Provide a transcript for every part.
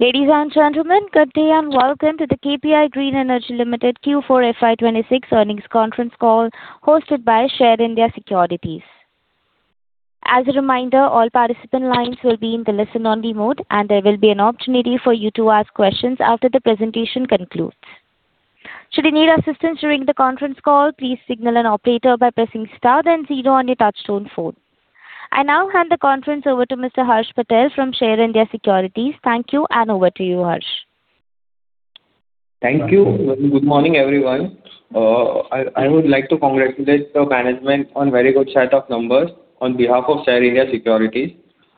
Ladies and gentlemen, good day and welcome to the KPI Green Energy Limited Q4 FY 2026 earnings conference call hosted by Share India Securities. As a reminder, all participant lines will be in the listen-only mode, and there will be an opportunity for you to ask questions after the presentation concludes. I now hand the conference over to Mr. Harsh Patel from Share India Securities. Thank you and over to you, Harsh. Thank you. Good morning, everyone. I would like to congratulate the management on very good set of numbers on behalf of Share India Securities.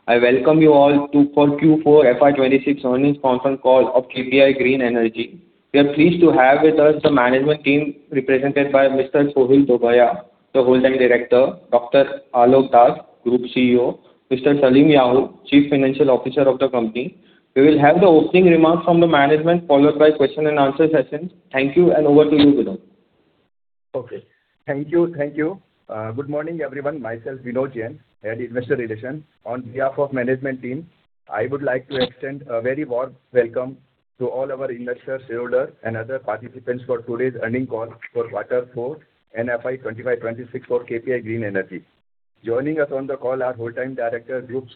I welcome you all for Q4 FY 2026 earnings conference call of KPI Green Energy. We are pleased to have with us the management team represented by Mohmed Sohil Dabhoya, the Whole-time Director, Alok Das, Group Chief Executive Officer, Salim Yahoo, Chief Financial Officer of the company. We will have the opening remarks from the management, followed by question and answer session. Thank you. Over to you, Vinod. Okay. Thank you. Thank you. Good morning, everyone. Myself, Vinod Jain, Head Investor Relations. On behalf of management team, I would like to extend a very warm welcome to all our investors, shareholders, and other participants for today's earning call for quarter four and FY 2025, 2026 for KPI Green Energy. Joining us on the call are Whole-time Director, Group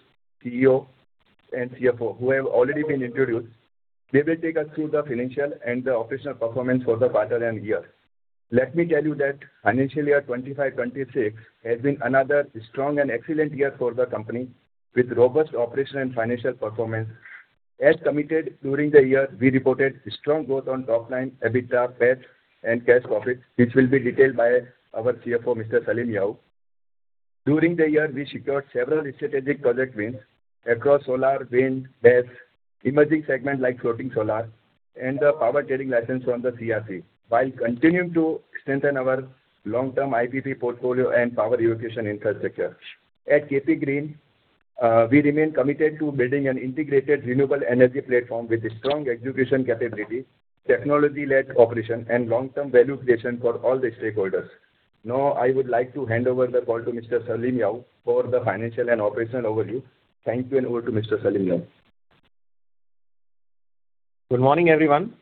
CEO and CFO, who have already been introduced. They will take us through the financial and the operational performance for the quarter and year. Let me tell you that financial year 2025, 2026 has been another strong and excellent year for the company with robust operation and financial performance. As committed during the year, we reported strong growth on top line EBITDA, PAT, and cash profit, which will be detailed by our CFO, Mr. Salim Yahoo. During the year, we secured several strategic project wins across solar, wind, BESS, emerging segment like floating solar and the power trading license from the CERC, while continuing to strengthen our long-term IPP portfolio and power evacuation infrastructure. At KPI Green, we remain committed to building an integrated renewable energy platform with a strong execution capability, technology-led operation, and long-term value creation for all the stakeholders. Now, I would like to hand over the call to Mr. Salim Yahoo for the financial and operational overview. Thank you and over to Mr. Salim Yahoo. Good morning, everyone.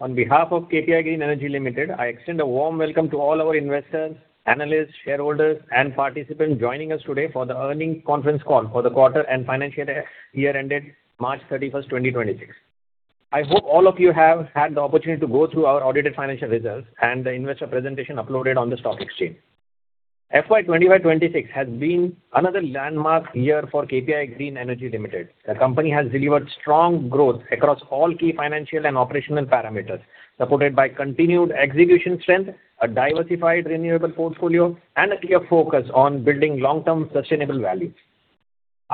On behalf of KPI Green Energy Limited, I extend a warm welcome to all our investors, analysts, shareholders and participants joining us today for the earnings conference call for the quarter and financial year ended March 31, 2026. I hope all of you have had the opportunity to go through our audited financial results and the investor presentation uploaded on the stock exchange. FY 2025, 2026 has been another landmark year for KPI Green Energy Limited. The company has delivered strong growth across all key financial and operational parameters, supported by continued execution strength, a diversified renewable portfolio, and a clear focus on building long-term sustainable value.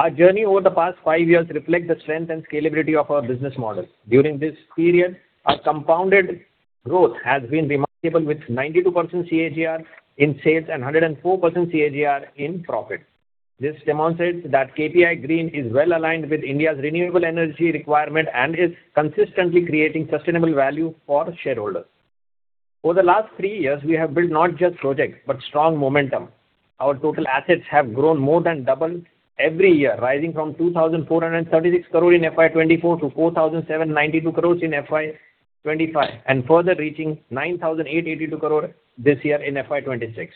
Our journey over the past five years reflect the strength and scalability of our business model. During this period, our compounded growth has been remarkable with 92% CAGR in sales and 104% CAGR in profit. This demonstrates that KPI Green is well aligned with India's renewable energy requirement and is consistently creating sustainable value for shareholders. For the last three years, we have built not just projects, but strong momentum. Our total assets have grown more than double every year, rising from 2,436 crore in FY 2024 to 4,792 crores in FY 2025, and further reaching 9,882 crore this year in FY 2026.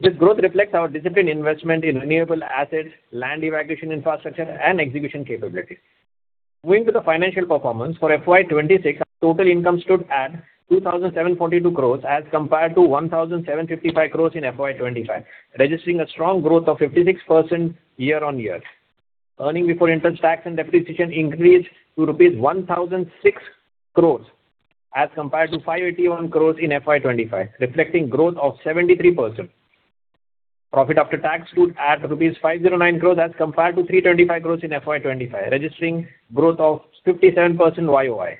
This growth reflects our disciplined investment in renewable assets, land evacuation infrastructure, and execution capabilities. Moving to the financial performance, for FY 2026, our total income stood at 2,742 crores as compared to 1,755 crores in FY 2025, registering a strong growth of 56% year-on-year. Earnings Before Interest, Taxes, and Depreciation increased to rupees 1,006 crores as compared to 581 crores in FY 2025, reflecting growth of 73%. Profit After Tax stood at rupees 509 crores as compared to 325 crores in FY 2025, registering growth of 57% YOY.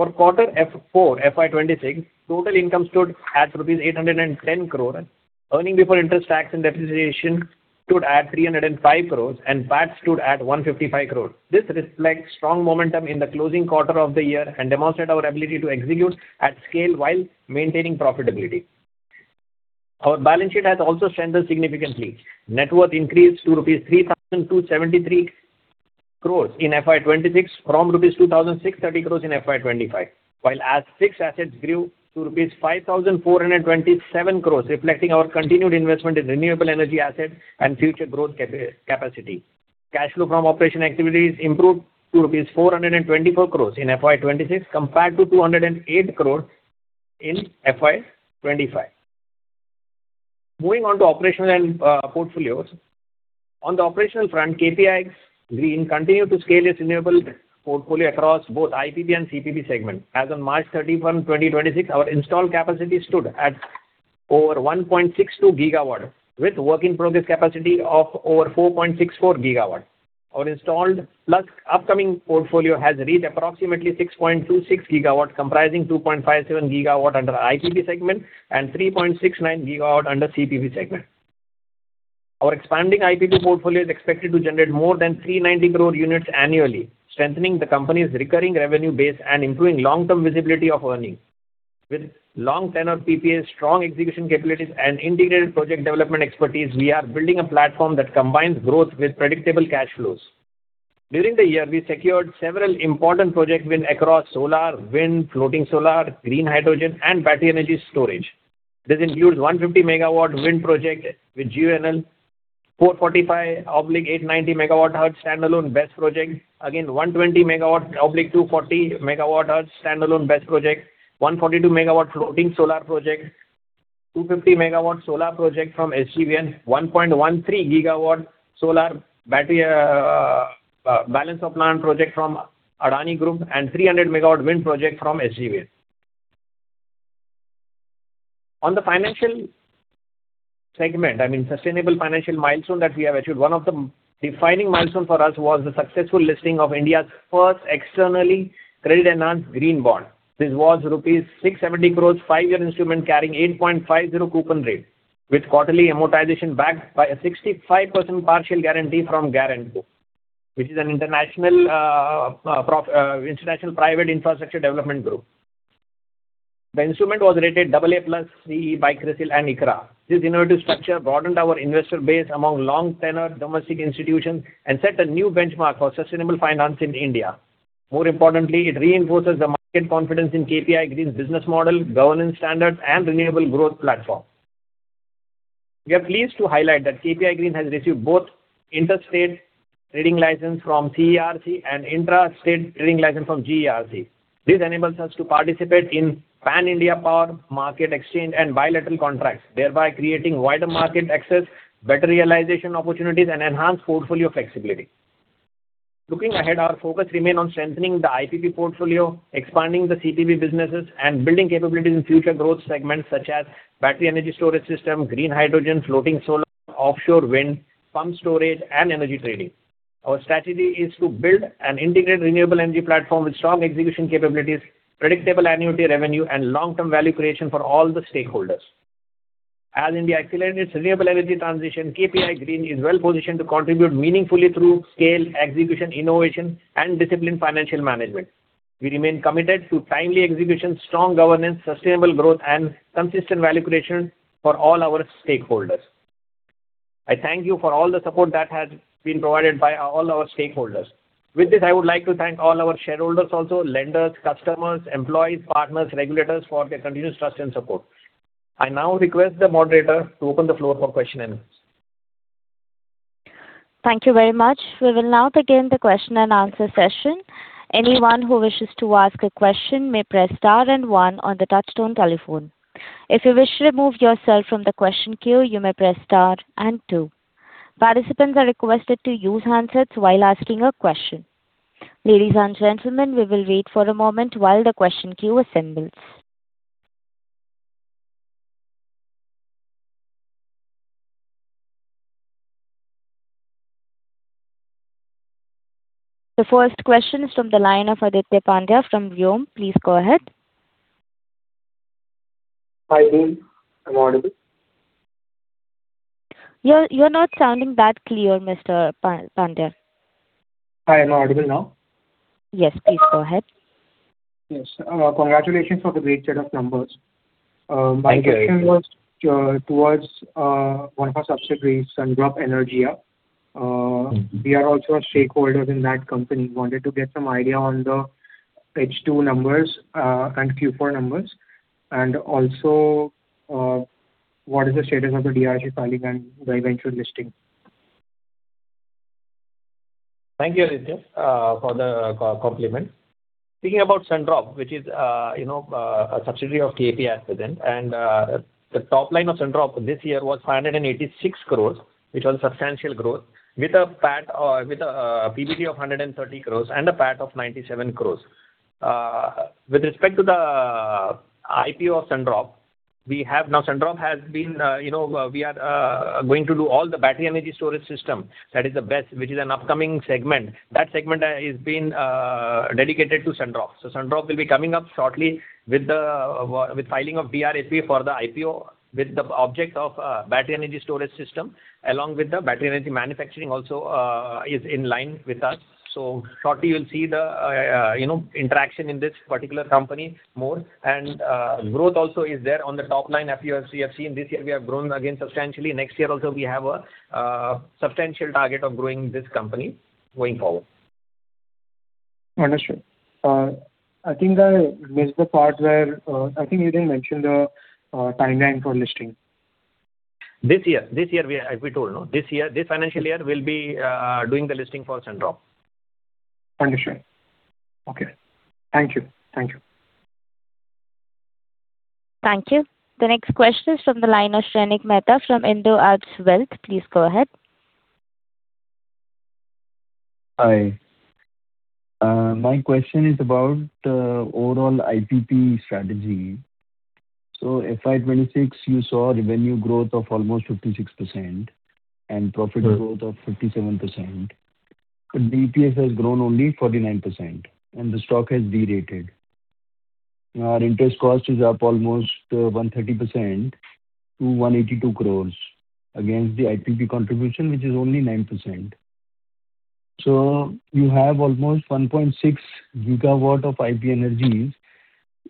For quarter F4 FY 2026, total income stood at rupees 810 crore. Earnings Before Interest, Taxes, and Depreciation stood at 305 crores and PAT stood at 155 crore. This reflects strong momentum in the closing quarter of the year and demonstrate our ability to execute at scale while maintaining profitability. Our balance sheet has also strengthened significantly. Net worth increased to rupees 3,273 crores in FY 2026 from rupees 2,630 crores in FY 2025. While as fixed assets grew to rupees 5,427 crores, reflecting our continued investment in renewable energy asset and future growth capacity. Cash flow from operation activities improved to rupees 424 crores in FY 2026 compared to 208 crore in FY 2025. Moving on to operational and portfolios. On the operational front, KPI Green continued to scale its renewable portfolio across both IPP and CPV segment. As on March 31, 2026, our installed capacity stood at over 1.62 gigawatt with work-in-progress capacity of over 4.64 gigawatt. Our installed plus upcoming portfolio has reached approximately 6.26 gigawatt, comprising 2.57 gigawatt under IPP segment and 3.69 gigawatt under CPV segment. Our expanding IPP portfolio is expected to generate more than 390 crore units annually, strengthening the company's recurring revenue base and improving long-term visibility of earnings. With long tenure PPAs, strong execution capabilities, and integrated project development expertise, we are building a platform that combines growth with predictable cash flows. During the year, we secured several important project win across solar, wind, floating solar, green hydrogen, and battery energy storage. This includes 150 MW wind project with GEOL, 445/890 MWh standalone BESS project. Again, 120 MW/240 MWh standalone BESS project, 142 MW floating solar project, 250 MW solar project from SGVN, 1.13 GW solar battery balance of plant project from Adani Group, and 300 MW wind project from SGVN. On the financial segment, I mean, sustainable financial milestone that we have achieved, one of the defining milestone for us was the successful listing of India's first externally credit-enhanced green bond. This was rupees 670 crores 5-year instrument carrying 8.50 coupon rate with quarterly amortization backed by a 65% partial guarantee from GuarantCo, which is an international private infrastructure development group. The instrument was rated AA+ (CE) by CRISIL and ICRA. This innovative structure broadened our investor base among long tenure domestic institutions and set a new benchmark for sustainable finance in India. More importantly, it reinforces the market confidence in KPI Green's business model, governance standards, and renewable growth platform. We are pleased to highlight that KPI Green has received both interstate trading license from CERC and intrastate trading license from GERC. This enables us to participate in pan-India power market exchange and bilateral contracts, thereby creating wider market access, better realization opportunities, and enhanced portfolio flexibility. Looking ahead, our focus remain on strengthening the IPP portfolio, expanding the CPP businesses, and building capabilities in future growth segments such as battery energy storage system, green hydrogen, floating solar, offshore wind, pump storage, and energy trading. Our strategy is to build an integrated renewable energy platform with strong execution capabilities, predictable annuity revenue, and long-term value creation for all the stakeholders. As India accelerates sustainable energy transition, KPI Green is well-positioned to contribute meaningfully through scale, execution, innovation, and disciplined financial management. We remain committed to timely execution, strong governance, sustainable growth, and consistent value creation for all our stakeholders. I thank you for all the support that has been provided by all our stakeholders. With this, I would like to thank all our shareholders also, lenders, customers, employees, partners, regulators for their continuous trust and support. I now request the moderator to open the floor for question and answers. Thank you very much. We will now begin the question and answer session. Anyone who wishes to ask a question may press star and one on the touchtone telephone. If you wish to remove yourself from the question queue, you may press star and two. Participants are requested to use handsets while asking a question. Ladies and gentlemen, we will wait for a moment while the question queue assembles. The first question is from the line of Aditya Pandya from Viome. Please go ahead. Hi, Deep. Am I audible? You're not sounding that clear, Mr. Pandya. Hi, am I audible now? Yes, please go ahead. Yes. Congratulations on the great set of numbers. Thank you. My question was towards one of our subsidiaries, Sun Drops Energia. We are also a shareholder in that company. I wanted to get some idea on the H2 numbers, and Q4 numbers. Also, what is the status of the DRHP filing and the eventual listing? Thank you, Aditya, for the co-compliment. Speaking about SunDrop, which is, you know, a subsidiary of KPI at present, the top line of SunDrop this year was 586 crores, which was substantial growth, with a PAT, with a PBT of 130 crores and a PAT of 97 crores. With respect to the IPO of SunDrop has been, you know, we are going to do all the battery energy storage system. That is the BESS, which is an upcoming segment. That segment is been dedicated to SunDrop. SunDrop will be coming up shortly with the filing of DRHP for the IPO with the object of battery energy storage system, along with the battery energy manufacturing also is in line with us. Shortly you'll see the, you know, interaction in this particular company more. Growth also is there on the top line as you have seen. This year we have grown again substantially. Next year also we have a substantial target of growing this company going forward. Understood. I think I missed the part where, I think you didn't mention the timeline for listing. This year we are, as we told, no? This year, this financial year we'll be doing the listing for SunDrop. Understood. Okay. Thank you. Thank you. Thank you. The next question is from the line of Shrenik Mehta from IndoArab Wealth. Please go ahead. Hi. My question is about the overall IPP strategy. FY 2026, you saw revenue growth of almost 56%. -growth of 57%. The EPS has grown only 49% and the stock has derated. Our interest cost is up almost 130% to 182 crore against the IPP contribution, which is only 9%. You have almost 1.6 gigawatt of IPP energies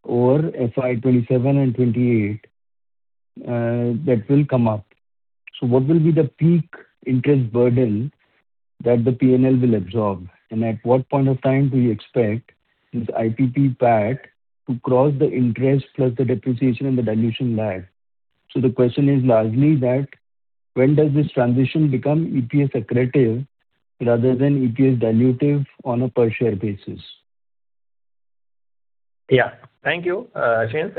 over FY 2027 and 2028 that will come up. What will be the peak interest burden that the P&L will absorb? At what point of time do you expect this IPP pack to cross the interest plus the depreciation and the dilution lag? The question is largely that when does this transition become EPS accretive rather than EPS dilutive on a per share basis? Yeah. Thank you, Ashish.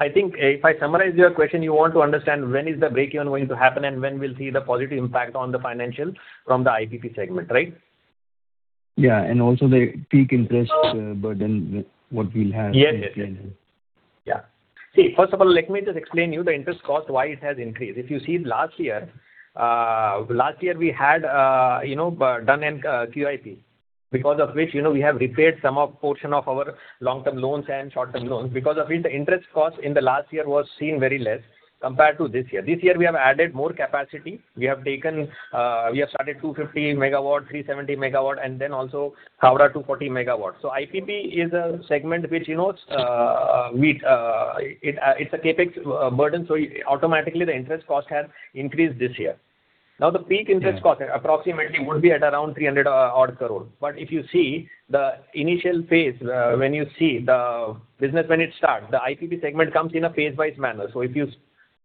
I think if I summarize your question, you want to understand when is the break-even going to happen and when we'll see the positive impact on the financials from the IPP segment, right? Yeah. Also the peak interest burden, what we'll have. Yes. Yes. Yeah. First of all, let me just explain you the interest cost, why it has increased. If you see last year, last year we had, you know, done an QIP because of which, you know, we have repaid some of portion of our long-term loans and short-term loans. Because of which the interest cost in the last year was seen very less compared to this year. This year we have added more capacity. We have taken, we have started 250 MW, 370 MW, and then also Khavda 240 MW. IPP is a segment which, you know, we, it's a CapEx burden, so automatically the interest cost has increased this year. The peak interest cost approximately would be at around 300 odd crore. If you see the initial phase, when you see the business when it starts, the IPP segment comes in a phase-wise manner. If you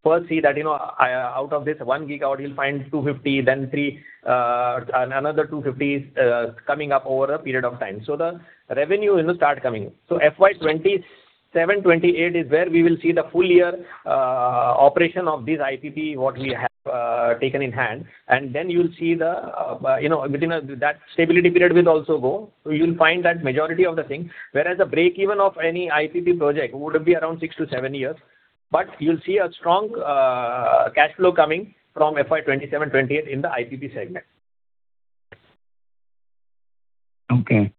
first see that, you know, out of this 1 GW you'll find 250, then three, another 250, coming up over a period of time. The revenue will start coming in. FY 2027-2028 is where we will see the full year operation of this IPP, what we have taken in hand, and then you'll see the, you know, within that stability period will also go. You'll find that majority of the thing. Whereas the break-even of any IPP project would be around six to seven years. You'll see a strong cash flow coming from FY 2027-2028 in the IPP segment. Okay.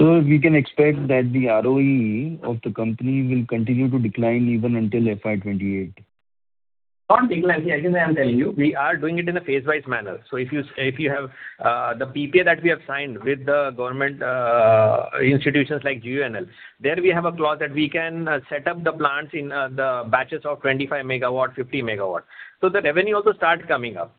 We can expect that the ROE of the company will continue to decline even until FY 2028. Not decline. See, as I'm telling you, we are doing it in a phase-wise manner. If you have the PPA that we have signed with the government institutions like GUVNL, there we have a clause that we can set up the plants in the batches of 25 megawatt, 50 megawatt. The revenue also starts coming up.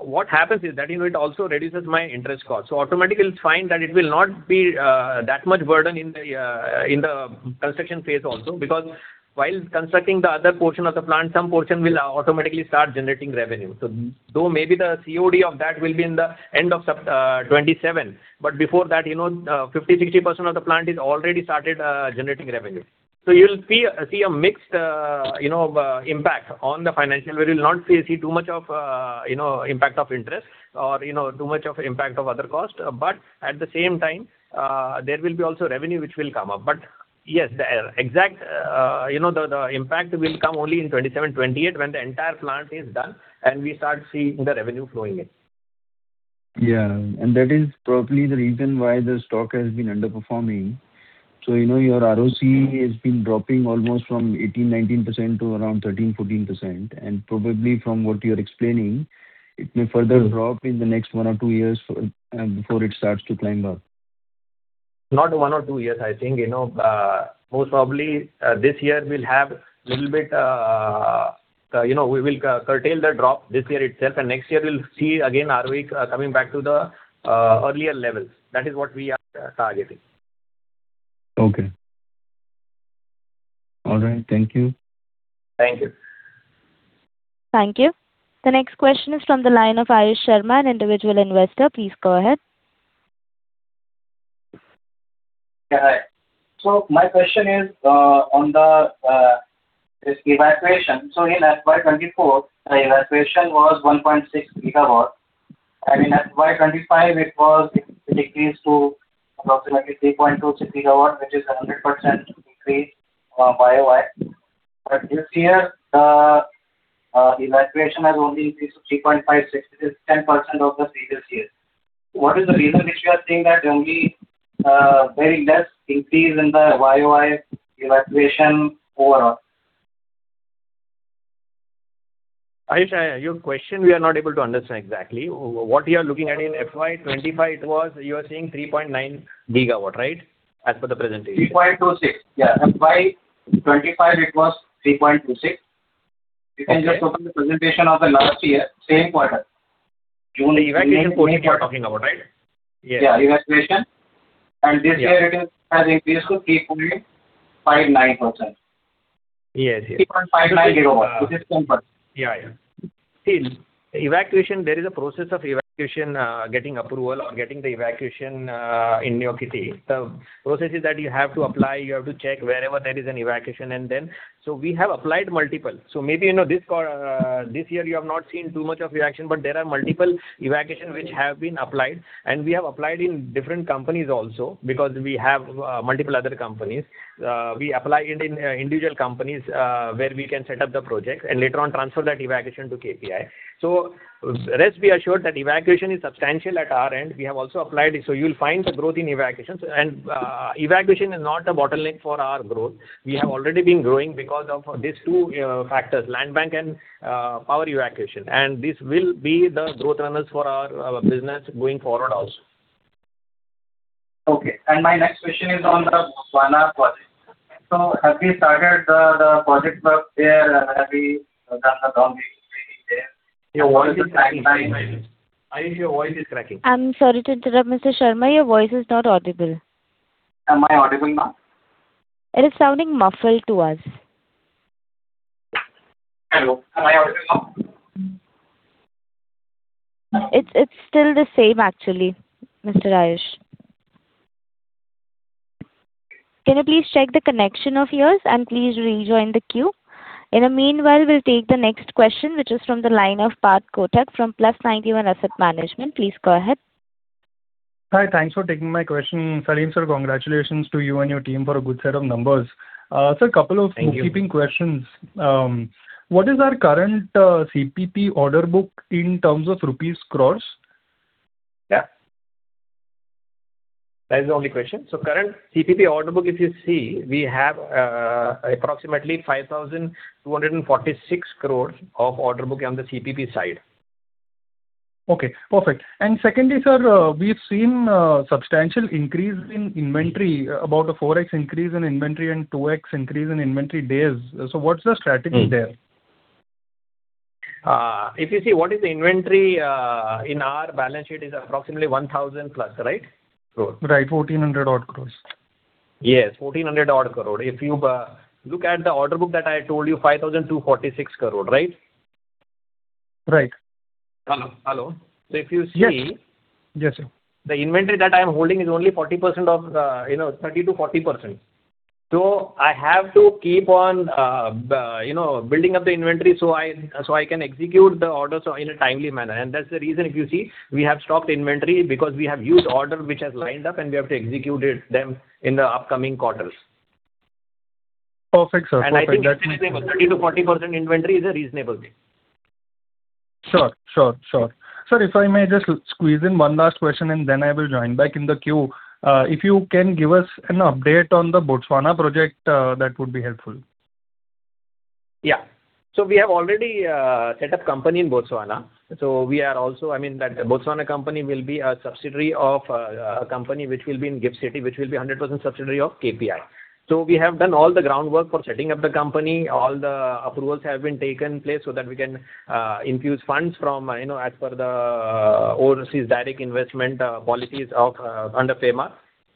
What happens is that, you know, it also reduces my interest cost. Automatically you'll find that it will not be that much burden in the construction phase also, because while constructing the other portion of the plant, some portion will automatically start generating revenue. Though maybe the COD of that will be in the end of September 2027, but before that, you know, 50%, 60% of the plant is already started generating revenue. You'll see a mixed, you know, impact on the financial. We will not see too much of, you know, impact of interest or, you know, too much of impact of other cost. At the same time, there will be also revenue which will come up. Yes, the exact, you know, the impact will come only in 2027-2028 when the entire plant is done and we start seeing the revenue flowing in. Yeah. That is probably the reason why the stock has been underperforming. You know, your ROC has been dropping almost from 18%-19% to around 13%-14%. Probably from what you're explaining, it may further drop in the next one or two years before it starts to climb up. Not one or two years. I think, you know, most probably, this year we'll have little bit, you know, we will curtail the drop this year itself, and next year we'll see again ROIC coming back to the earlier levels. That is what we are targeting. Okay. All right, thank you. Thank you. Thank you. The next question is from the line of Ayush Sharma, an individual investor. Please go ahead. Yeah, hi. My question is on this evacuation. In FY 2024, the evacuation was 1.6 gigawatt, and in FY 2025 it was decreased to approximately 3.26 gigawatt, which is a 100% decrease YoY. This year, evacuation has only increased to 3.56. It is 10% of the previous year. What is the reason which you are seeing that only very less increase in the YoY evacuation overall? Ayush, your question we are not able to understand exactly. What you are looking at in FY 2025 it was, you are saying 3.9 gigawatt, right? As per the presentation. 3.26. Yeah. FY 2025 it was 3.26. Okay. You can just open the presentation of the last year, same quarter. June event, 20 you are talking about, right? Yes. Yeah, evacuation. Yeah. This year has increased to 3.59%. Yes, yes. 3.59 gigawatt, which is 10%. Yeah, yeah. See, evacuation, there is a process of evacuation, getting approval or getting the evacuation in your kitty. The process is that you have to apply, you have to check wherever there is an evacuation. We have applied multiple. Maybe, you know, this year you have not seen too much of reaction, but there are multiple evacuations which have been applied. We have applied in different companies also because we have multiple other companies. We apply in individual companies, where we can set up the project and later on transfer that evacuation to KPI. Rest be assured that evacuation is substantial at our end. We have also applied it. You'll find the growth in evacuations. Evacuation is not a bottleneck for our growth. We have already been growing because of these two factors, land bank and power evacuation. This will be the growth runners for our business going forward also. Okay. My next question is on the Botswana project. Have you started the project work there? Have you done the groundwork ready there? Your voice is cracking, by the way. Ayush, your voice is cracking. I'm sorry to interrupt, Mr. Sharma. Your voice is not audible. Am I audible now? It is sounding muffled to us. Hello. Am I audible now? It's still the same actually, Mr. Ayush. Can you please check the connection of yours and please rejoin the queue. In the meanwhile, we'll take the next question, which is from the line of Parth Kotak from Plus 91 Asset Management. Please go ahead. Hi. Thanks for taking my question. Salim, sir, congratulations to you and your team for a good set of numbers. Sir. Thank you. bookkeeping questions. What is our current CPP order book in terms of rupees crores? Yeah. That is the only question. Current CPP order book, if you see, we have approximately 5,246 crore of order book on the CPP side. Okay, perfect. Secondly, sir, we've seen substantial increase in inventory, about a 4x increase in inventory and 2x increase in inventory days. What's the strategy there? If you see what is the inventory in our balance sheet is approximately 1,000 plus Crores, right? Right. 1,400 odd crores. Yes, 1,400 odd crore. If you look at the order book that I told you, 5,246 crore, right? Right. Hello? Hello. If you see. Yes. Yes, sir. The inventory that I'm holding is only 40% of, you know, 30%-40%. I have to keep on, you know, building up the inventory so I can execute the orders in a timely manner. That's the reason if you see, we have stocked inventory because we have huge order which has lined up and we have to execute it, them in the upcoming quarters. Perfect, sir. Perfect. That makes sense. I think 30%-40% inventory is a reasonable thing. Sure. Sir, if I may just squeeze in one last question and then I will join back in the queue. If you can give us an update on the Botswana project, that would be helpful. Yeah. We have already set up company in Botswana. We are also I mean that Botswana company will be a subsidiary of a company which will be in GIFT City, which will be 100% subsidiary of KPI. We have done all the groundwork for setting up the company. All the approvals have been taken place so that we can infuse funds from, you know, as per the overseas direct investment policies of under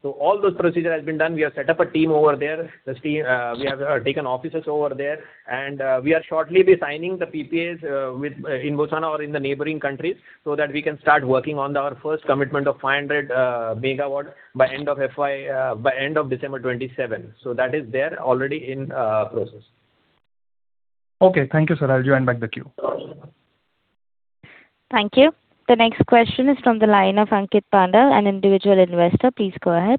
FEMA. All those procedure has been done. We have set up a team over there. The team, we have taken offices over there, we are shortly be signing the PPAs with in Botswana or in the neighboring countries so that we can start working on our first commitment of 500 MW by end of FY, by end of December 2027. That is there already in process. Okay. Thank you, sir. I'll join back the queue. Thank you. The next question is from the line of Ankit Panda, an individual investor. Please go ahead.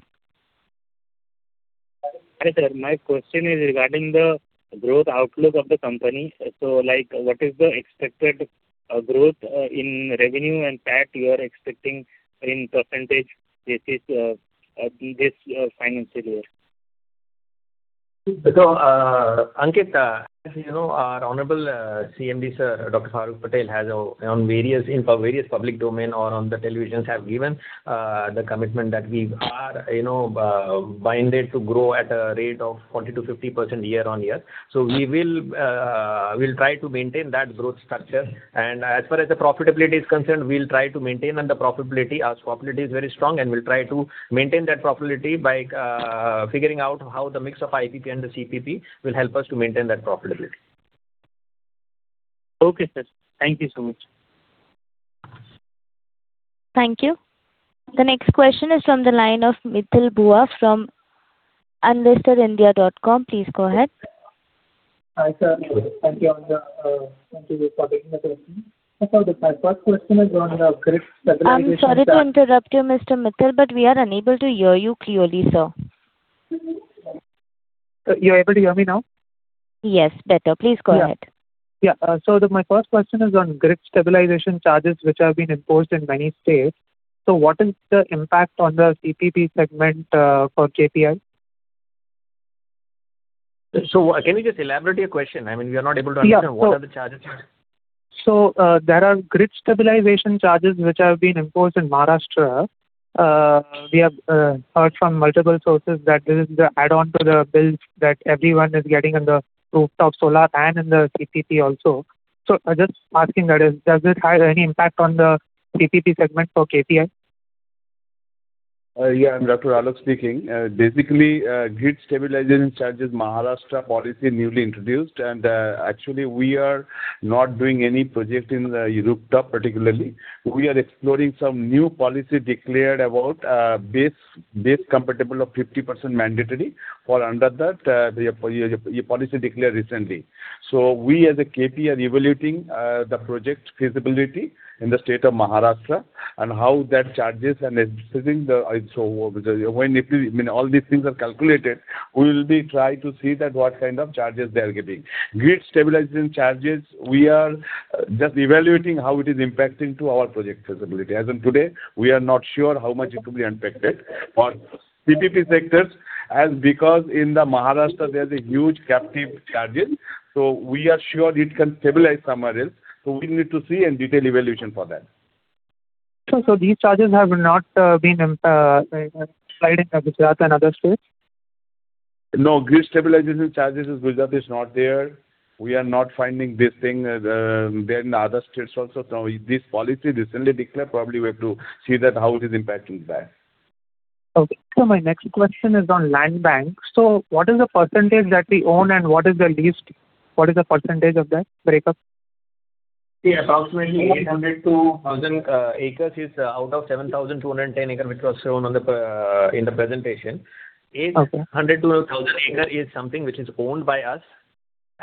Hi, sir. My question is regarding the growth outlook of the company. Like, what is the expected growth in revenue and PAT you are expecting in % basis this financial year? Ankit, as you know, our honorable CMD, Dr. Faruk Patel, has on various public domain or on the televisions have given the commitment that we are, you know, binded to grow at a rate of 40% to 50% year-on-year. We will, we'll try to maintain that growth structure. As far as the profitability is concerned, as profitability is very strong, we'll try to maintain that profitability by figuring out how the mix of IPP and the CPP will help us to maintain that profitability. Okay, sir. Thank you so much. Thank you. The next question is from the line of Mithil Bhuva from unlistedindia.com. Please go ahead. Hi, sir. Thank you for taking the question. My first question is on the grid stabilization. I'm sorry to interrupt you, Mr. Mithil, but we are unable to hear you clearly, sir. You're able to hear me now? Yes, better. Please go ahead. Yeah. Yeah. My first question is on grid stabilization charges which have been imposed in many states. What is the impact on the CPP segment for KPI? Can you just elaborate your question? I mean, we are not able to understand. Yeah. What are the charges here? There are grid stabilization charges which have been imposed in Maharashtra. We have heard from multiple sources that this is the add-on to the bills that everyone is getting in the rooftop solar and in the CPP also. Just asking, does it have any impact on the CPP segment for KPI? Yeah. I'm Alok Das speaking. Basically, grid stabilization charges, Maharashtra policy newly introduced. Actually we are not doing any project in the rooftop particularly. We are exploring some new policy declared about, base compatible of 50% mandatory for under that, the policy declared recently. We as a KPI are evaluating the project feasibility in the state of Maharashtra and how that charges and assessing. When if, I mean, all these things are calculated, we will be try to see that what kind of charges they are getting. Grid stabilization charges, we are just evaluating how it is impacting to our project feasibility. As of today, we are not sure how much it will be impacted. For CPP sectors. Because in the Maharashtra there's a huge captive charges, so we are sure it can stabilize somewhere else. We need to see a detailed evaluation for that. These charges have not been applied in the Gujarat and other states? Grid stabilization charges in Gujarat is not there. We are not finding this thing there in the other states also. This policy recently declared, probably we have to see that how it is impacting that. Okay. My next question is on land bank. What is the percentage that we own and what is the percentage of that breakup? Yeah, approximately 800 to 1,000 acres is out of 7,210 acres, which was shown in the presentation. Okay. 800 to 1,000 acre is something which is owned by us.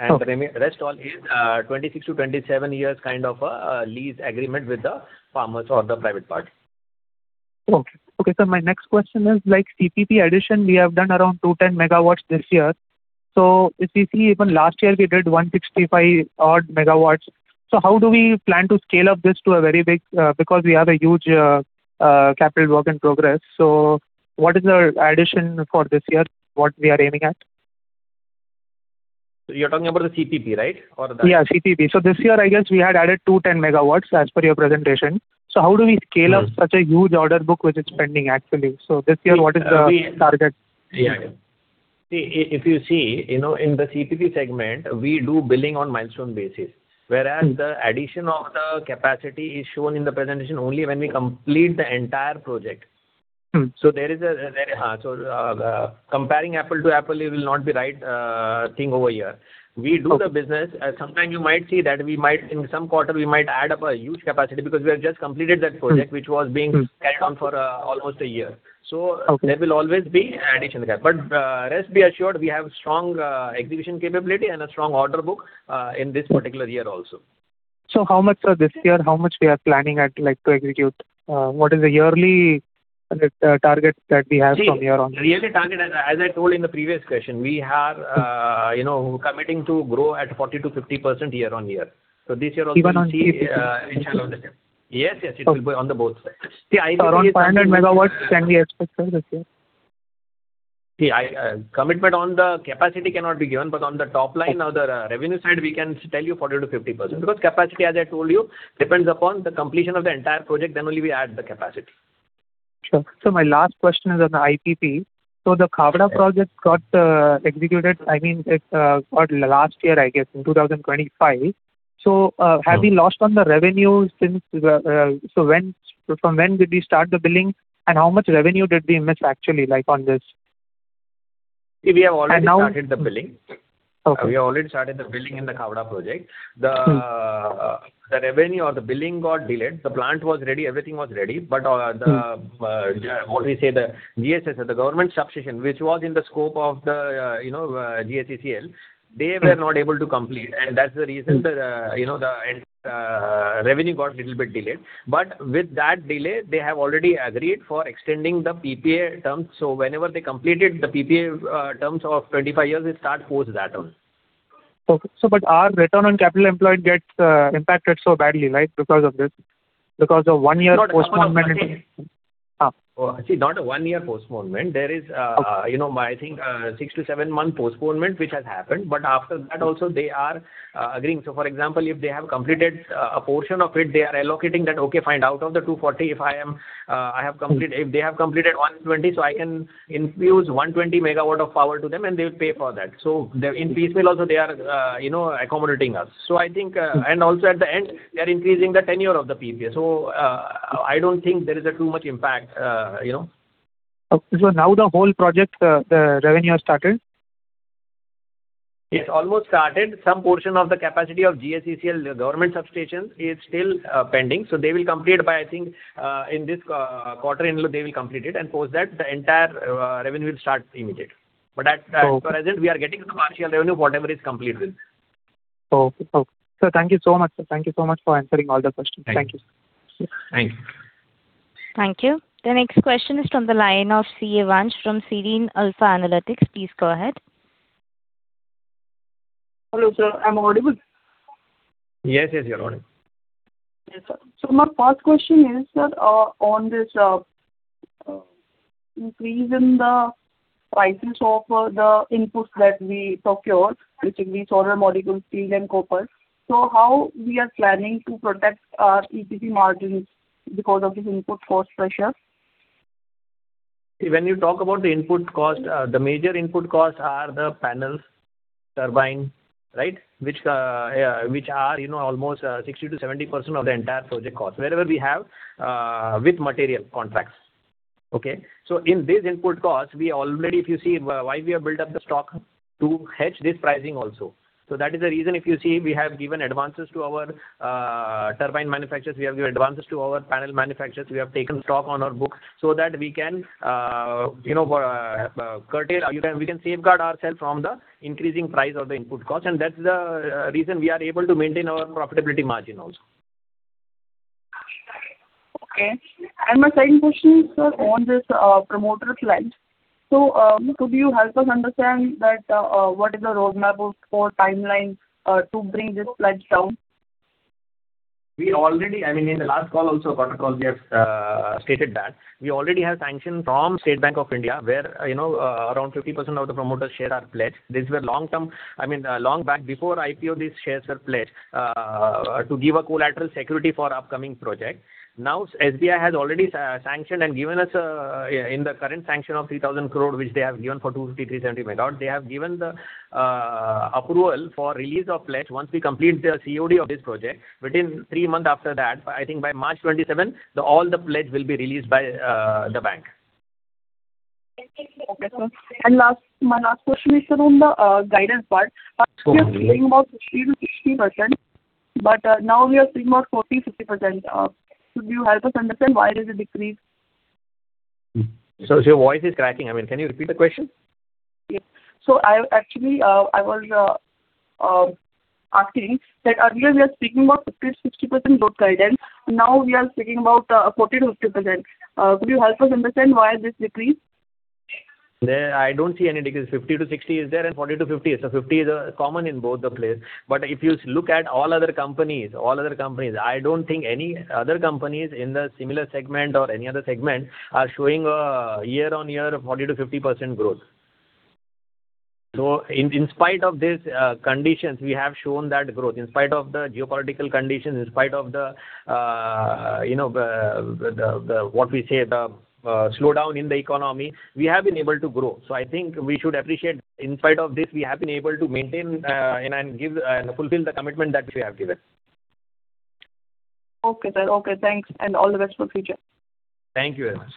Okay. The rest all is 26-27 years kind of a lease agreement with the farmers or the private party. Okay. Okay, sir, my next question is like CPP addition, we have done around 210 MW this year. If you see even last year we did 165 odd MW. How do we plan to scale up this to a very big, because we have a huge capital work in progress. What is the addition for this year, what we are aiming at? You're talking about the CPP, right? Yeah, CPP. This year I guess we had added 210 MW as per your presentation. How do we scale up such a huge order book which is pending actually? This year, what is the target? If you see, you know, in the CPP segment, we do billing on milestone basis, whereas the addition of the capacity is shown in the presentation only when we complete the entire project. Comparing apple to apple it will not be right thing over here. Okay. We do the business. Sometimes you might see that in some quarter we might add up a huge capacity because we have just completed that project which was being worked on for almost a year. Okay. There will always be an addition gap. Rest be assured, we have strong execution capability and a strong order book in this particular year also. How much, this year, how much we are planning at, like, to execute? What is the yearly, target that we have from here on? See, yearly target, as I told in the previous question, we have, you know, committing to grow at 40% to 50% year on year. This year also- Even on CPP? Yes, it will be on the both sides. Around 500 megawatts can we expect, sir, this year? See, I, commitment on the capacity cannot be given, but on the top line or the revenue side, we can tell you 40%-50%. Capacity, as I told you, depends upon the completion of the entire project, then only we add the capacity. Sure. My last question is on the IPP. The Khavda project got executed, it got last year, in 2025. Have we lost on the revenue since when, from when did we start the billing, and how much revenue did we miss actually, like, on this? We have already started the billing. Okay. We have already started the billing in the Khavda project. The revenue or the billing got delayed. The plant was ready, everything was ready, but the GSS, the government substation, which was in the scope of the, you know, GSECL, they were not able to complete and that's the reason the, you know, revenue got little bit delayed. With that delay, they have already agreed for extending the PPA terms. Whenever they completed the PPA terms of 25 years, it start post that only. Okay. Our return on capital employed gets impacted so badly, right? Because of this. The one year postponement. No, no. See, not a one-year postponement. Okay you know, I think, six to seven month postponement which has happened. After that also they are agreeing. For example, if they have completed a portion of it, they are allocating that, okay, fine, out of the 240, if they have completed 120, I can infuse 120 MW of power to them, and they would pay for that. They're, in piecemeal also they are, you know, accommodating us. I think also at the end they are increasing the tenure of the PPA. I don't think there is a too much impact, you know. Okay. Now the whole project, the revenue has started? It's almost started. Some portion of the capacity of GSECL, the government substation, is still pending. They will complete by, I think, in this quarter end they will complete it, and post that the entire revenue will start immediately. As per present, we are getting the partial revenue, whatever is completed. Okay. Okay. Sir, thank you so much, sir. Thank you so much for answering all the questions. Thank you. Thank you, sir. Thank you. Thank you. The next question is from the line of CA Vansh from Serene Alpha Analytics. Please go ahead. Hello, sir. I'm audible? Yes, you're audible. Yes, sir. My first question is, sir, on this, increase in the prices of, the inputs that we procure, which will be solar modules, steel and copper. How we are planning to protect our EBITDA margins because of this input cost pressure? When you talk about the input cost, the major input costs are the panels, turbine, right? Which, which are, you know, almost 60%-70% of the entire project cost. Wherever we have with material contracts. Okay? In this input cost, we already, if you see why we have built up the stock, to hedge this pricing also. That is the reason, if you see, we have given advances to our turbine manufacturers, we have given advances to our panel manufacturers. We have taken stock on our book so that we can, you know, curtail, you can, we can safeguard ourself from the increasing price of the input cost, and that's the reason we are able to maintain our profitability margin also. Okay. My second question is, sir, on this, promoter pledge. Could you help us understand that, what is the roadmap or timeline, to bring this pledge down? We already, I mean, in the last call also, quarter call, we have stated that. We already have sanction from State Bank of India, where, you know, around 50% of the promoter share are pledged. These were long-term, I mean, long back before IPO, these shares were pledged to give a collateral security for upcoming project. Now, SBI has already sanctioned and given us in the current sanction of 3,000 crore, which they have given for 250, 370 MW. They have given the approval for release of pledge once we complete the COD of this project. Within 3 months after that, I think by March 27th, all the pledge will be released by the bank. Okay, sir. My last question is, sir, on the guidance part. Go ahead. We are saying about 50%-60%, but now we are saying about 40%-50%. Could you help us understand why there is a decrease? Your voice is cracking. I mean, can you repeat the question? Yeah. I actually I was asking that earlier we are speaking about 50%-60% growth guidance. Now we are speaking about 40%-50%. Could you help us understand why this decrease? There I don't see any decrease. 50-60 is there and 40-50 is there. 50 is common in both the place. If you look at all other companies, I don't think any other companies in the similar segment or any other segment are showing a year-over-year 40%-50% growth. In spite of this conditions, we have shown that growth. In spite of the geopolitical conditions, in spite of the, you know, the what we say, the slowdown in the economy, we have been able to grow. I think we should appreciate in spite of this, we have been able to maintain and give fulfill the commitment that we have given. Okay, sir. Okay, thanks. All the best for future. Thank you very much.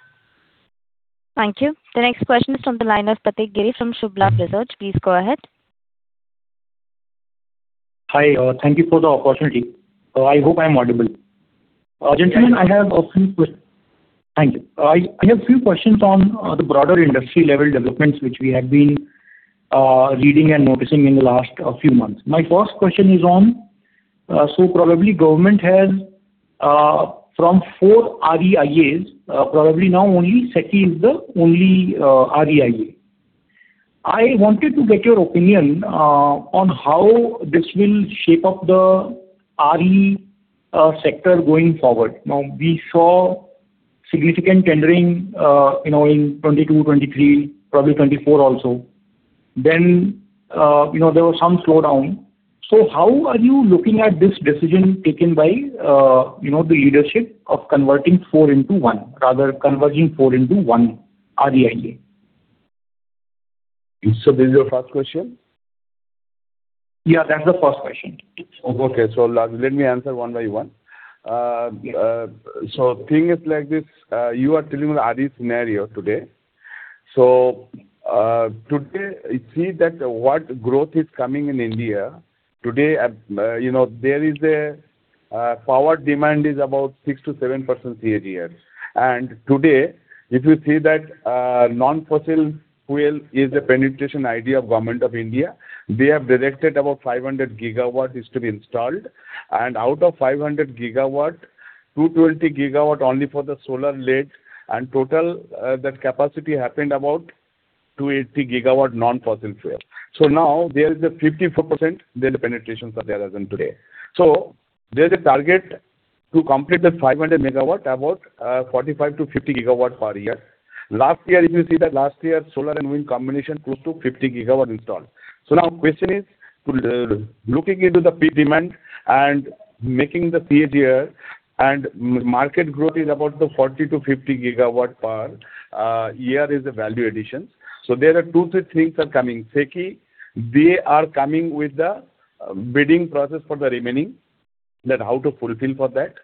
Thank you. The next question is from the line of Pratik Giri from Shubhlaxmi Research. Please go ahead. Hi. Thank you for the opportunity. I hope I'm audible. Yes. Gentlemen, thank you. I have a few questions on the broader industry level developments which we have been reading and noticing in the last few months. My first question is on. Probably the Government has, from four RE-IAs, probably now only SECI is the only RE-IA. I wanted to get your opinion on how this will shape up the RE sector going forward. We saw significant tendering, you know, in 2022, 2023, probably 2024 also. There was some slowdown. How are you looking at this decision taken by, you know, the leadership of converting four into one, rather converging 4 into 1 RE-IA? This is your first question? Yeah, that is the first question. Okay. Let me answer one by one. The thing is like this, you are telling the RE scenario today. Today you see that what growth is coming in India, today, you know, there is a power demand is about 6%-7% CAGR. Today, if you see that, non-fossil fuel is a penetration idea of Government of India. They have directed about 500 gigawatt is to be installed, and out of 500 gigawatt, 220 gigawatt only for the solar-led, and total that capacity happened about 280 gigawatt non-fossil fuel. Now there is a 54% then the penetrations are there as in today. There's a target to complete the 500 gigawatt, about 45-50 gigawatt per year. Last year, if you see that, solar and wind combination close to 50 gigawatt installed. Now question is, to looking into the peak demand and making the CAGR and market growth is about the 40-50 gigawatt per year is the value additions. There are two, three things are coming. SECI, they are coming with the bidding process for the remaining, that how to fulfill for that.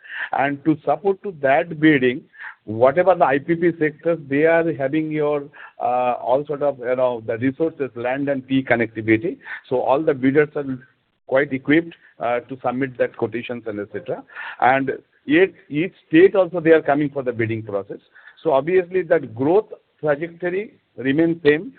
To support to that bidding, whatever the IPP sectors they are having your all sort of, you know, the resources, land and peak connectivity. All the bidders are quite equipped to submit that quotations and et cetera. Each state also they are coming for the bidding process. Obviously that growth trajectory remains same.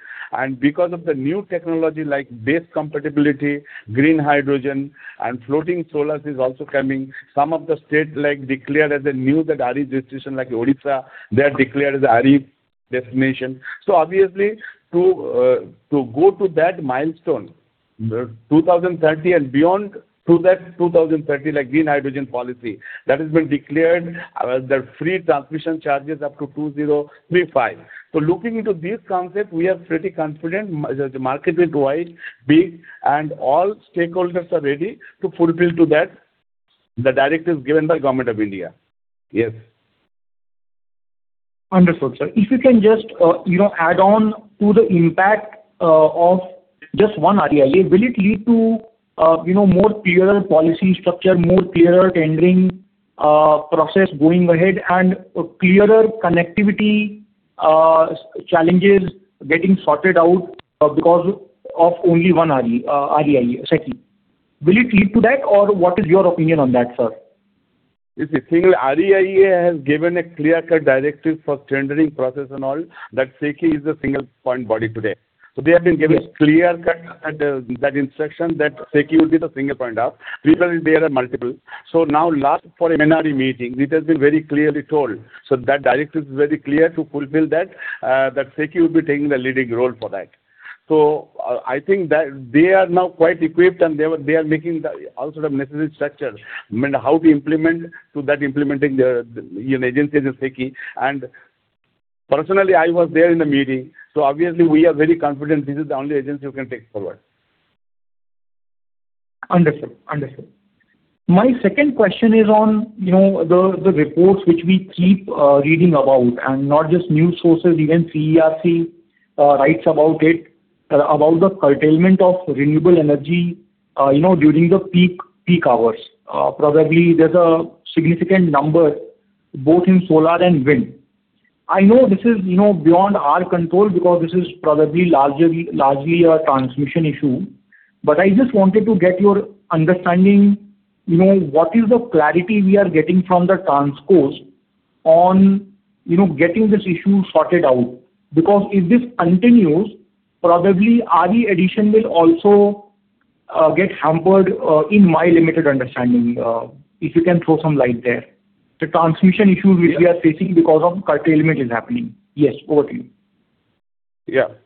Because of the new technology like BESS compatibility, green hydrogen and floating solars is also coming. Some of the state like declared as a new, the RE jurisdiction like Odisha, they are declared as a RE destination. Obviously to go to that milestone, the 2030 and beyond to that 2030, like green hydrogen policy that has been declared, the free transmission charges up to 2035. Looking into this concept, we are pretty confident the market is wide, big, and all stakeholders are ready to fulfill to that the directives given by Government of India. Yes. Understood, sir. If you can just, you know, add on to the impact of just one RE-IA, will it lead to, you know, more clearer policy structure, more clearer tendering process going ahead and clearer connectivity challenges getting sorted out because of only one RE-IA, SECI? Will it lead to that, or what is your opinion on that, sir? You see, single RE-IA has given a clear-cut directive for tendering process and all that SECI is the single point body today. They have been given clear-cut instruction that SECI will be the single point of. Previously there are multiple. Now last four MRE meeting, it has been very clearly told. That directive is very clear to fulfill that SECI will be taking the leading role for that. I think that they are now quite equipped and they are making the all sort of necessary structures. I mean, how to implement to that implementing, the, you know, agency as you said. Personally, I was there in the meeting, obviously we are very confident this is the only agency who can take it forward. Understood. Understood. My second question is on, you know, the reports which we keep reading about, and not just news sources, even CERC writes about it, about the curtailment of renewable energy, you know, during the peak hours. Probably there's a significant number both in solar and wind. I know this is, you know, beyond our control because this is probably largely a transmission issue. I just wanted to get your understanding, you know, what is the clarity we are getting from the transcos on, you know, getting this issue sorted out. If this continues, probably RE addition will also get hampered in my limited understanding. If you can throw some light there. The transmission issues which we are facing because of curtailment is happening. Yes, over to you.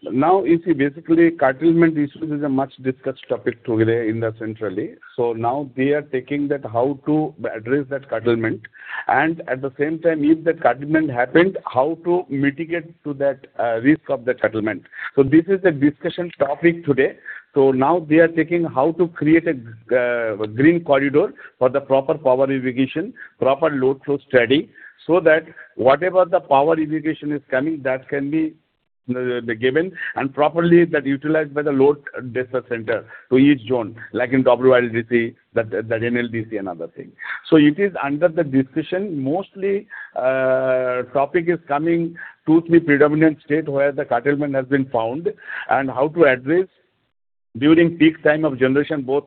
Now you see, basically curtailment issue is a much discussed topic today in the centrally. Now they are taking that how to address that curtailment and at the same time, if the curtailment happened, how to mitigate to that risk of the curtailment. This is a discussion topic today. Now they are taking how to create a green corridor for the proper power allocation, proper load flow study, so that whatever the power allocation is coming, that can be given and properly that utilized by the load dispatch center to each zone, like in WRLDC, that NLDC and other thing. It is under the discussion. Mostly, topic is coming 2, 3 predominant state where the curtailment has been found and how to address during peak time of generation, both,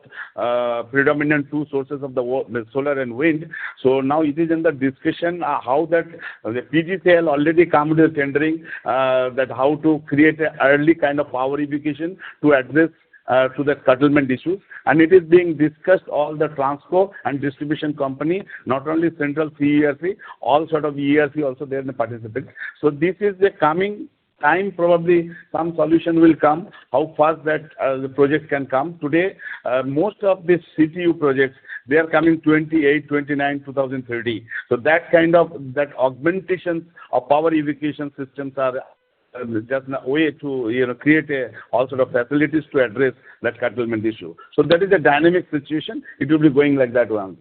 predominant 2 sources of the solar and wind. Now it is in the discussion, how that the PGCIL already come to the tendering, that how to create a early kind of power allocation to address to the curtailment issue. It is being discussed all the transco and distribution company, not only central CERC, all sort of ERC also there in the participant. This is the coming time, probably some solution will come. How fast that the project can come. Today, most of these CTU projects, they are coming 2028, 2029, 2030. That augmentation of power allocation systems are just now way to, you know, create all sort of facilities to address that curtailment issue. That is a dynamic situation. It will be going like that round.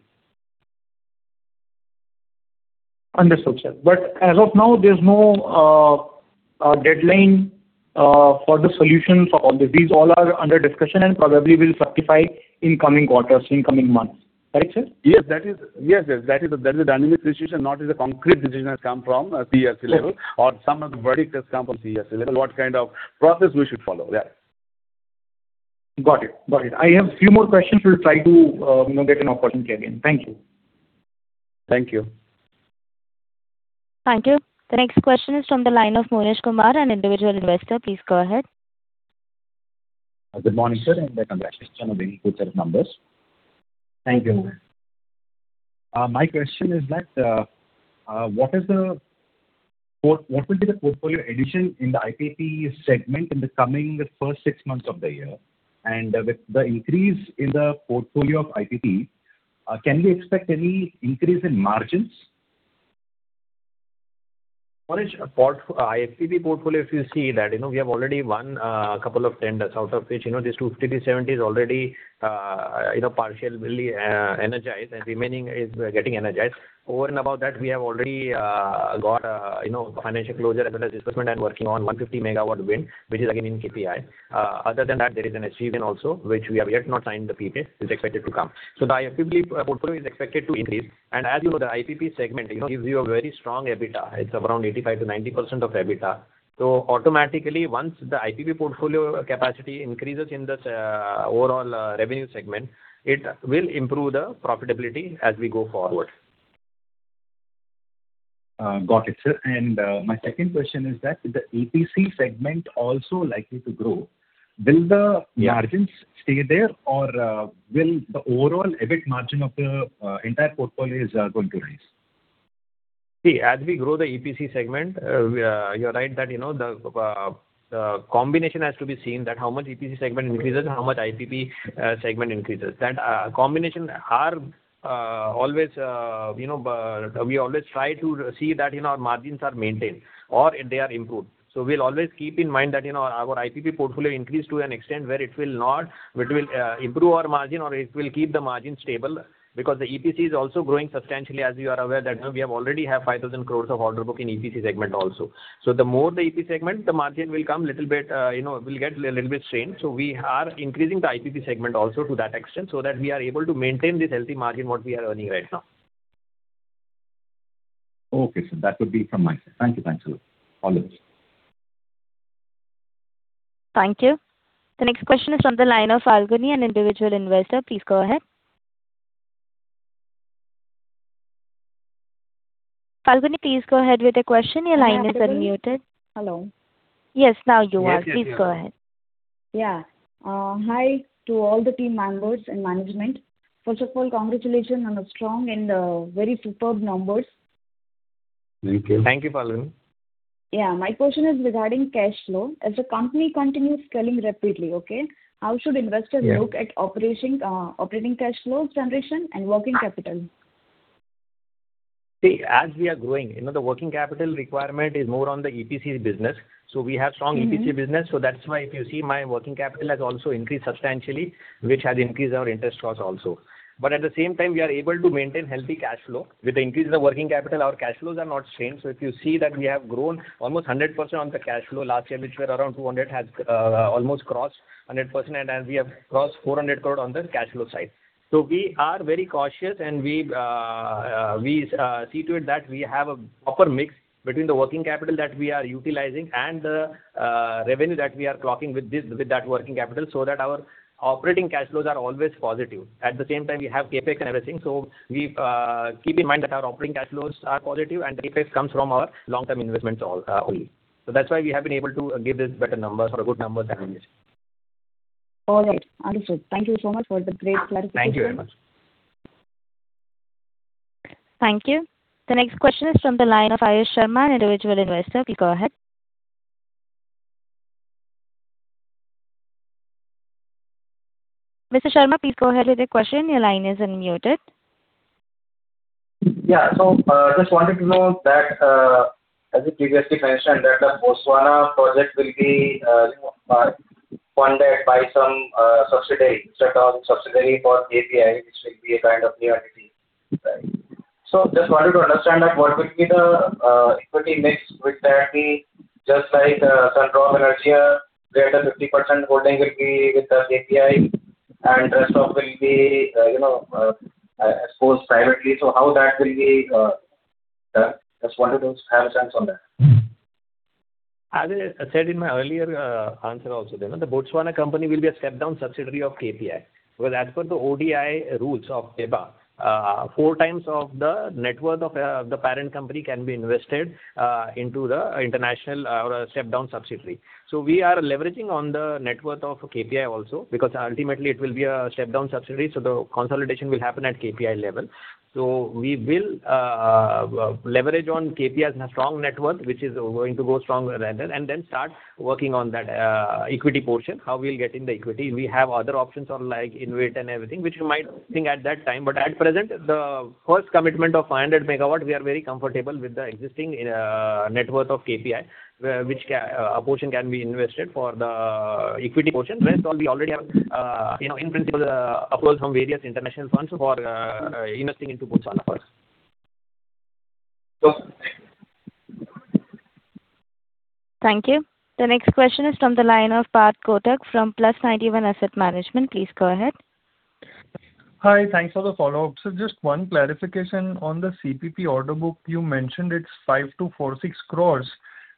Understood, sir. As of now, there's no deadline for the solution for all this. These all are under discussion and probably will certify in coming quarters, in coming months. Right, sir? Yes, that is a dynamic situation, not is a concrete decision has come from CERC level or some of the verdict has come from CERC level what kind of process we should follow. Yeah. Got it. Got it. I have few more questions. Will try to, you know, get an opportunity again. Thank you. Thank you. Thank you. The next question is from the line of Monish Kumar, an individual investor. Please go ahead. Good morning, sir, and congratulations on a very good set of numbers. Thank you. My question is that, what will be the portfolio addition in the IPP segment in the coming first six months of the year? With the increase in the portfolio of IPP, can we expect any increase in margins? Monish, IPP portfolio, if you see that, you know, we have already won a couple of tenders out of which, you know, these 2, 50-70 is already, you know, partially energized and remaining is getting energized. Over and above that, we have already got, you know, financial closure as well as disbursement and working on 150 MW wind, which is again in KPI. Other than that, there is an achievement also which we have yet not signed the PPA, which is expected to come. The IPP portfolio is expected to increase. As you know, the IPP segment, you know, gives you a very strong EBITDA. It's around 85%-90% of EBITDA. Automatically, once the IPP portfolio capacity increases in this overall revenue segment, it will improve the profitability as we go forward. Got it, sir. My second question is that the EPC segment also likely to grow. Will the margins stay there or, will the overall EBIT margin of the entire portfolio is going to rise? See, as we grow the EPC segment, You're right that, you know, the combination has to be seen that how much EPC segment increases and how much IPP segment increases. That combination are always, you know, we always try to see that, you know, our margins are maintained or they are improved. We'll always keep in mind that, you know, our IPP portfolio increase to an extent where it will improve our margin or it will keep the margin stable. The EPC is also growing substantially, as you are aware, that, you know, we have already have 5,000 crore of order book in EPC segment also. The more the EPC segment, the margin will come little bit, you know, will get a little bit strained. We are increasing the IPP segment also to that extent so that we are able to maintain this healthy margin what we are earning right now. Okay, sir. That would be from my side. Thank you. Thanks a lot. All the best. Thank you. The next question is on the line of Falguni, an individual investor. Please go ahead. Falguni, please go ahead with your question. Your line is unmuted. Hello. Yes, now you are. Please go ahead. Hi to all the team members and management. First of all, congratulations on a strong and very superb numbers. Thank you. Thank you, Falguni. Yeah, my question is regarding cash flow. As the company continues scaling rapidly, okay, how should investors- Yeah. Look at operation, operating cash flow generation and working capital? As we are growing, you know, the working capital requirement is more on the EPC business. We have strong EPC business. That's why if you see my working capital has also increased substantially, which has increased our interest costs also. At the same time, we are able to maintain healthy cash flow. With the increase in the working capital, our cash flows are not same. If you see that we have grown almost 100% on the cash flow last year, which were around 200 crore, has almost crossed 100%, and as we have crossed 400 crore on the cash flow side. We are very cautious and we see to it that we have a proper mix between the working capital that we are utilizing and the revenue that we are clocking with this, with that working capital, so that our operating cash flows are always positive. At the same time, we have CapEx and everything. We keep in mind that our operating cash flows are positive and CapEx comes from our long-term investments all only. That's why we have been able to give this better numbers or good numbers than this. All right. Understood. Thank you so much for the great clarification. Thank you very much. Thank you. The next question is from the line of Ayush Sharma, an individual investor. Please go ahead. Mr. Sharma, please go ahead with your question. Yeah. Just wanted to know that, as you previously mentioned, that the Botswana project will be, you know, funded by some subsidiary, step-down subsidiary for KPI, which will be a kind of new entity. Right. Just wanted to understand that what will be the equity mix with that be just like Sun Drops Energia, where the 50% holding will be with the KPI and rest of will be, you know, exposed privately. How that will be done? Just wanted to have a sense on that. As I said in my earlier answer also, you know, the Botswana company will be a step-down subsidiary of KPI. As per the ODI rules of FEMA, four times of the net worth of the parent company can be invested into the international step-down subsidiary. We are leveraging on the net worth of KPI also, because ultimately it will be a step-down subsidiary, so the consolidation will happen at KPI level. We will leverage on KPI's strong network, which is going to go stronger rather, and then start working on that equity portion, how we'll get in the equity. We have other options on like InvIT and everything, which we might think at that time. At present, the first commitment of 500 megawatt, we are very comfortable with the existing net worth of KPI, where a portion can be invested for the equity portion. Rest all we already have in principle approval from various international funds for investing into Botswana first. Awesome. Thank you. Thank you. The next question is from the line of Parth Kotak from Plus91 Asset Management. Please go ahead. Hi, thanks for the follow-up. Just 1 clarification on the CPP order book. You mentioned it's 546 crores.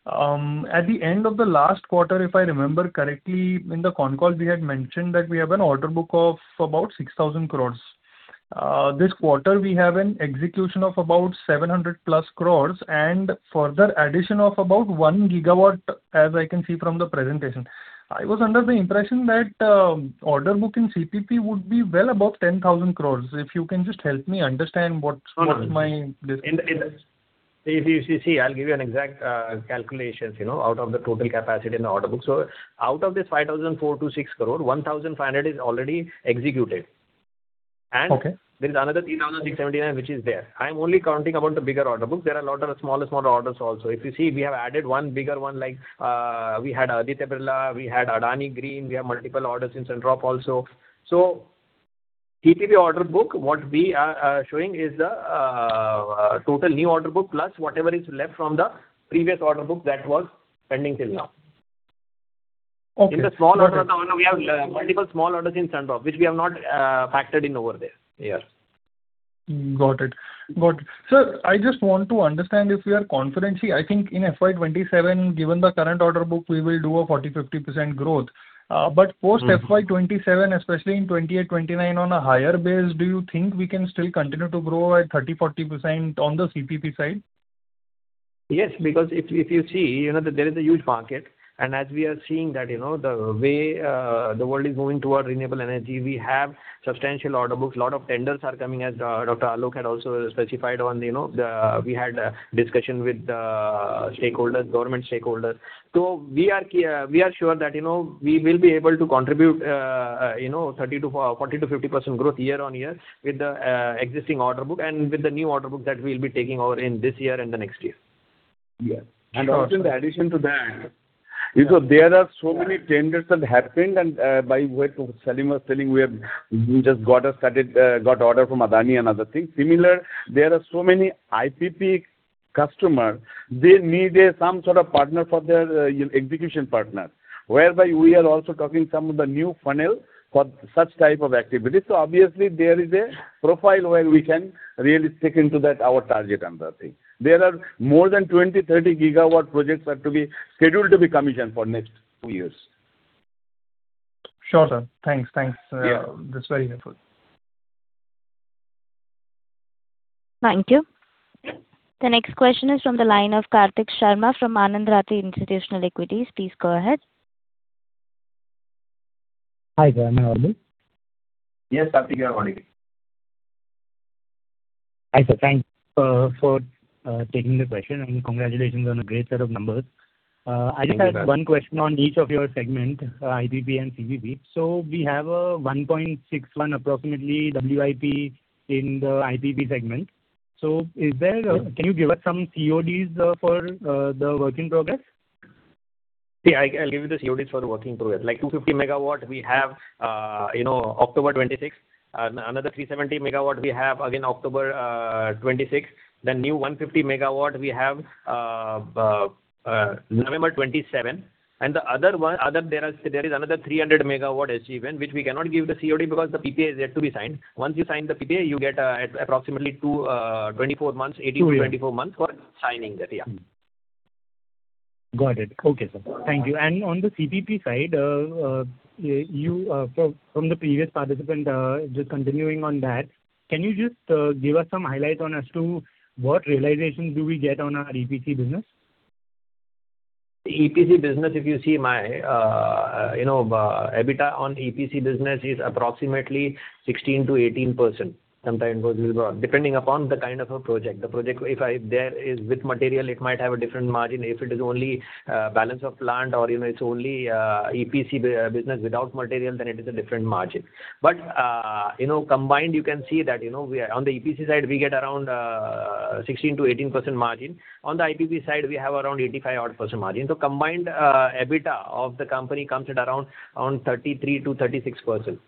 At the end of the last quarter, if I remember correctly, in the concall we had mentioned that we have an order book of about 6,000 crores. This quarter we have an execution of about 700+ crores and further addition of about one gigawatt, as I can see from the presentation. I was under the impression that order book in CPP would be well above 10,000 crores. If you can just help me understand what's my disc- No. If you see, I'll give you an exact calculations, you know, out of the total capacity in the order book. Out of this 5,406 crore, 1,500 crore is already executed. Okay. There is another 3,679 which is there. I'm only counting about the bigger order book. There are a lot of smaller orders also. If you see, we have added one bigger one, like, we had Aditya Birla, we had Adani Green, we have multiple orders in Sunrock also. CPP order book, what we are showing is the total new order book plus whatever is left from the previous order book that was pending till now. Okay. Got it. In the small order, we have multiple small orders in Sunrock, which we have not factored in over there. Yeah. Got it. Sir, I just want to understand if you are confidently, I think in FY 2027, given the current order book, we will do a 40%-50% growth. FY 2027, especially in 2028, 2029 on a higher base, do you think we can still continue to grow at 30%, 40% on the CPP side? Yes, because if you see, you know, there is a huge market. As we are seeing that, you know, the way the world is moving toward renewable energy, we have substantial order books. A lot of tenders are coming, as Dr. Alok Das had also specified on, you know, We had a discussion with stakeholders, government stakeholders. We are sure that, you know, we will be able to contribute, you know, 40%-50% growth YOY with the existing order book and with the new order book that we'll be taking over in this year and the next year. Yeah. Also in addition to that, you know, there are so many tenders that happened and by what Salim Yahoo was telling, we have just got order from Adani Green Energy and other things. Similar, there are so many IPP customer, they need some sort of partner for their execution partner, whereby we are also talking some of the new funnel for such type of activity. Obviously there is a profile where we can really stick into that our target and that thing. There are more than 20, 30 gigawatt projects are to be scheduled to be commissioned for next two years. Sure, sir. Thanks. Thanks. Yeah. That's very helpful. Thank you. The next question is from the line of Kartik Sharma from Anand Rathi Institutional Equities. Please go ahead. Hi, sir. Am I audible? Yes, absolutely. Hi, sir. Thanks for taking the question, and congratulations on a great set of numbers. Thank you. I just have one question on each of your segment, IPP and CPP. We have 1.61 approximately WIP in the IPP segment. Can you give us some CODs for the work in progress? See, I'll give you the CODs for the work in progress. Like 250 MW we have, you know, October 2026. Another 370 MW we have again October 2026. The new 150 MW we have November 2027. The other one, there is another 300 MW achievement, which we cannot give the COD because the PPA is yet to be signed. Once you sign the PPA, you get approximately 18-24 months for signing that. Yeah. Got it. Okay, sir. Thank you. On the CPP side, from the previous participant, just continuing on that, can you just give us some highlight on as to what realization do we get on our EPC business? EPC business, if you see my, you know, EBITDA on EPC business is approximately 16%-18%, sometimes depending upon the kind of a project. The project with material, it might have a different margin. If it is only balance of plant or, you know, it's only EPC business without material, then it is a different margin. You know, combined you can see that, you know, we are, on the EPC side, we get around 16%-18% margin. On the IPP side, we have around 85% odd margin. Combined EBITDA of the company comes at around 33%-36%. Yeah. Understood, sir. With that,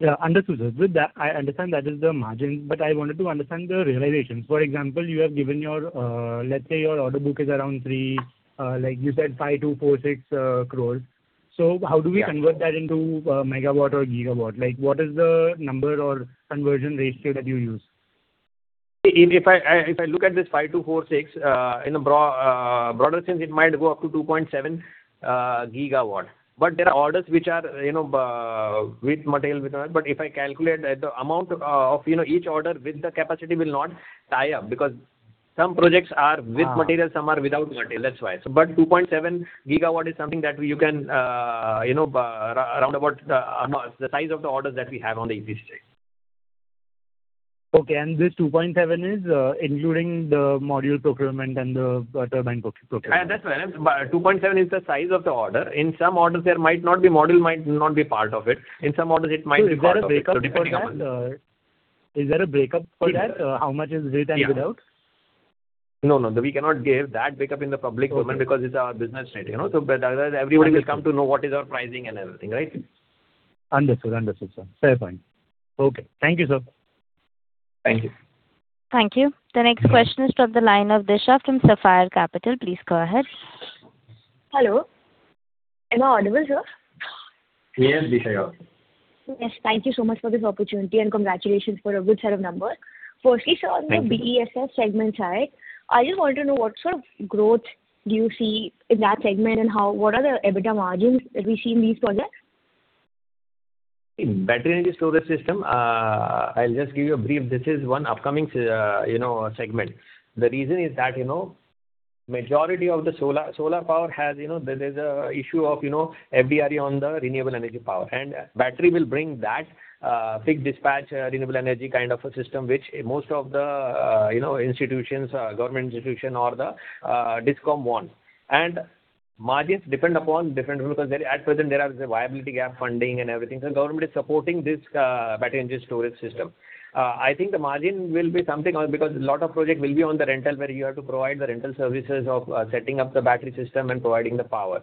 I understand that is the margin, but I wanted to understand the realization. For example, you have given your, let's say your order book is around, like you said, 5,246 crores. How do we convert that into megawatt or gigawatt? What is the number or conversion ratio that you use? If I look at this 5246 in a broader sense, it might go up to 2.7 gigawatt. There are orders which are, you know, with material, without. If I calculate the amount of, you know, each order with the capacity will not tie up because some projects are with material, some are without material. That's why. 2.7 gigawatt is something that you can, you know, around about the size of the orders that we have on the EPC side. Okay. This 2.7 is including the module procurement and the turbine procurement. That's why. 2.7 is the size of the order. In some orders, there might not be module, might not be part of it. In some orders it might be part of it. You got a breakup for that? Is there a breakup for that? Yes. How much is with and without? Yeah. No, no. We cannot give that breakup in the public domain. Okay. Because it's our business strategy, you know. But otherwise everybody will come to know what is our pricing and everything, right? Understood. Understood, sir. Fair point. Okay. Thank you, sir. Thank you. Thank you. The next question is from the line of Disha from Sapphire Capital. Please go ahead. Hello. Am I audible, sir? Yes, Disha, you are. Yes, thank you so much for this opportunity, and congratulations for a good set of number. Thank you. Firstly, sir, on the BESS segment side, I just want to know what sort of growth do you see in that segment and how, what are the EBITDA margins that we see in these projects? In Battery Energy Storage System, I'll just give you a brief. This is one upcoming you know, segment. The reason is that, you know, majority of the solar power has, you know, there's a issue of, you know, FDRE on the renewable energy power. Battery will bring that big dispatch renewable energy kind of a system, which most of the you know, institutions, government institution or the DISCOM want. Margins depend upon different rules because there at present there are the Viability Gap Funding and everything. Government is supporting this Battery Energy Storage System. I think the margin will be something on, because a lot of project will be on the rental, where you have to provide the rental services of setting up the battery system and providing the power.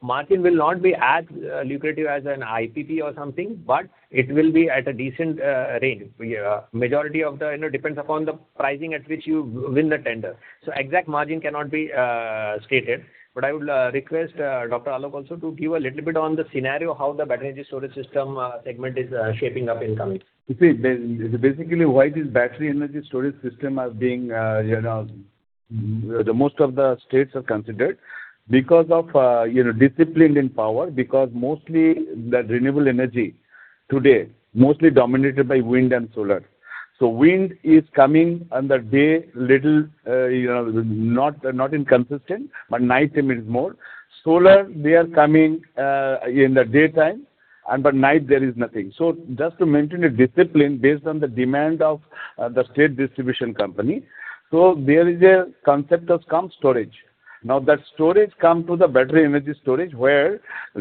Margin will not be as lucrative as an IPP or something, but it will be at a decent range. Majority of the, you know, depends upon the pricing at which you win the tender. Exact margin cannot be stated. I would request Dr. Alok Das also to give a little bit on the scenario how the battery energy storage system segment is shaping up in coming. You see, basically, why this Battery Energy Storage System are being, you know, the most of the states have considered because of, you know, discipline in power, because mostly the renewable energy today mostly dominated by wind and solar. Wind is coming on the day little, not inconsistent, but nighttime is more. Solar, they are coming in the daytime, but night there is nothing. Just to maintain a discipline based on the demand of the state distribution company. There is a concept has come, storage. Now that storage come to the Battery Energy Storage, where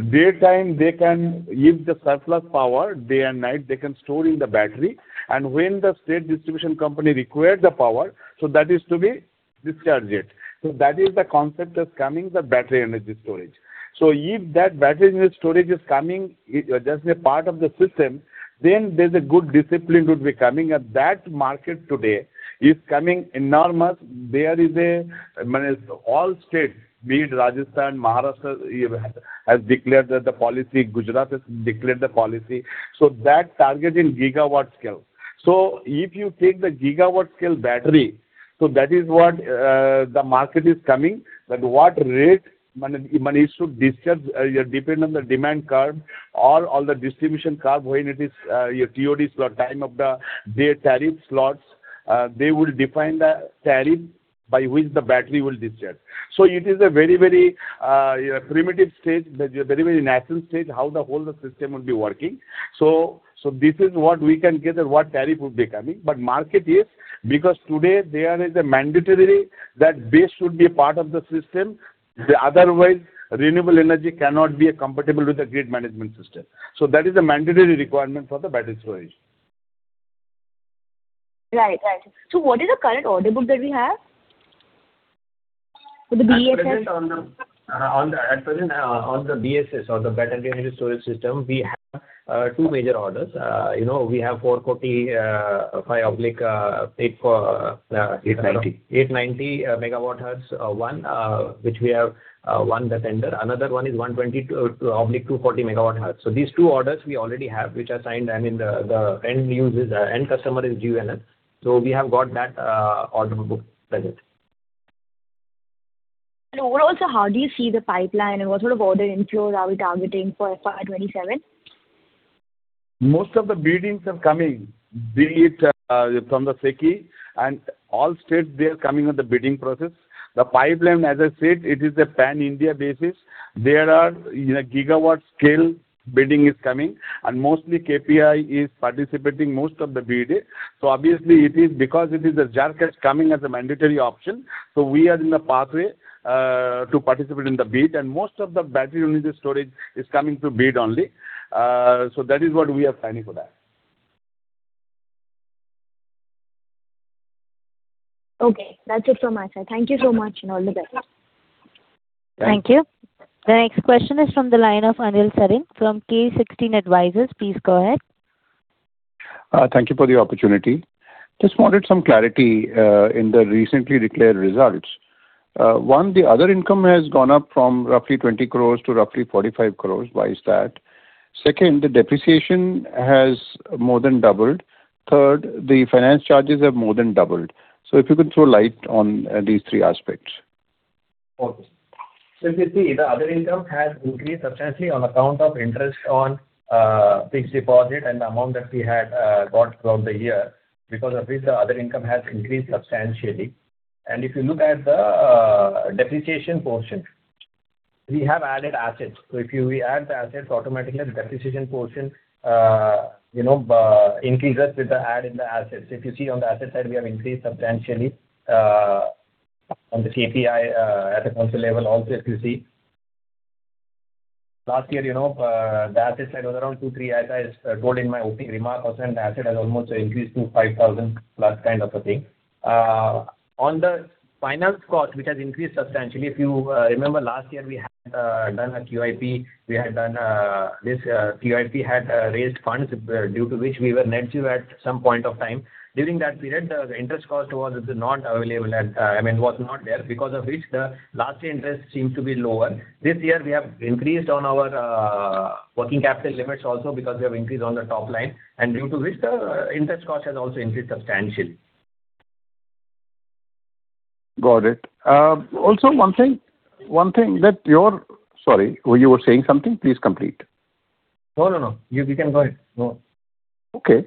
daytime they can use the surplus power. Day and night they can store in the battery. When the state distribution company require the power, so that is to be discharged. That is the concept that's coming, the Battery Energy Storage. If that battery energy storage is coming, it just a part of the system, there's a good discipline would be coming. That market today is coming enormous. I mean, all states, be it Rajasthan, Maharashtra, even has declared that the policy. Gujarat has declared the policy. That target in gigawatt scale. If you take the gigawatt scale battery, that is what the market is coming. What rate, I mean, I mean it should discharge, depend on the demand curve or all the distribution curve when it is your TODs or time of the day tariff slots. They will define the tariff by which the battery will discharge. It is a very, very primitive stage, very, very initial stage, how the whole system would be working. This is what we can gather, what tariff would be coming. Market is, because today there is a mandatory that BESS should be a part of the system. Otherwise, renewable energy cannot be compatible with the grid management system. That is a mandatory requirement for the battery storage. Right. Right. What is the current order book that we have for the BESS? At present on the BSS or the Battery Energy Storage System, we have 2 major orders. You know, we have 445 oblique eight. INR 890. 890 MWh, which we have won that tender. Another 1 is 120/240 MWh. These two orders we already have, which are signed. I mean, the end user is end customer is GUVNL. We have got that order book present. Overall, sir, how do you see the pipeline and what sort of order inflow are we targeting for FY 2027? Most of the biddings are coming, be it from the SECI and all states, they are coming on the bidding process. The pipeline, as I said, it is a pan-India basis. There are, you know, gigawatt scale bidding is coming, and mostly KPI is participating most of the bid. Obviously it is because it is a CERC coming as a mandatory option, so we are in the pathway to participate in the bid. Most of the battery energy storage is coming through bid only. So that is what we are planning for that. Okay. That's it from my side. Thank you so much, and all the best. Thank you. Thank you. The next question is from the line of Anil Sarin from K16 Advisors. Please go ahead. Thank you for the opportunity. Just wanted some clarity in the recently declared results. One. The other income has gone up from roughly 20 crores to roughly 45 crores. Why is that? Two. The depreciation has more than doubled. Three. The finance charges have more than doubled. If you could throw light on these three aspects. Okay. If you see, the other income has increased substantially on account of interest on fixed deposit and amount that we had got throughout the year. Because of this, the other income has increased substantially. If you look at the depreciation portion, we have added assets. If you add the assets, automatically the depreciation portion, you know, increases with the add in the assets. If you see on the asset side, we have increased substantially on the KPI asset council level also, if you see. Last year, you know, the asset side was around 2,000-3,000. As I told in my opening remarks also, the asset has almost increased to 5,000+ kind of a thing. On the finance cost, which has increased substantially, if you remember last year, we had done a QIP. We had done this QIP had raised funds due to which we were net due at some point of time. During that period, the interest cost was not available at, I mean, was not there, because of which the last year interest seemed to be lower. This year we have increased on our working capital limits also because we have increased on the top line, and due to which the interest cost has also increased substantially. Got it. Sorry, you were saying something. Please complete. No, no. You can go ahead. No. Okay.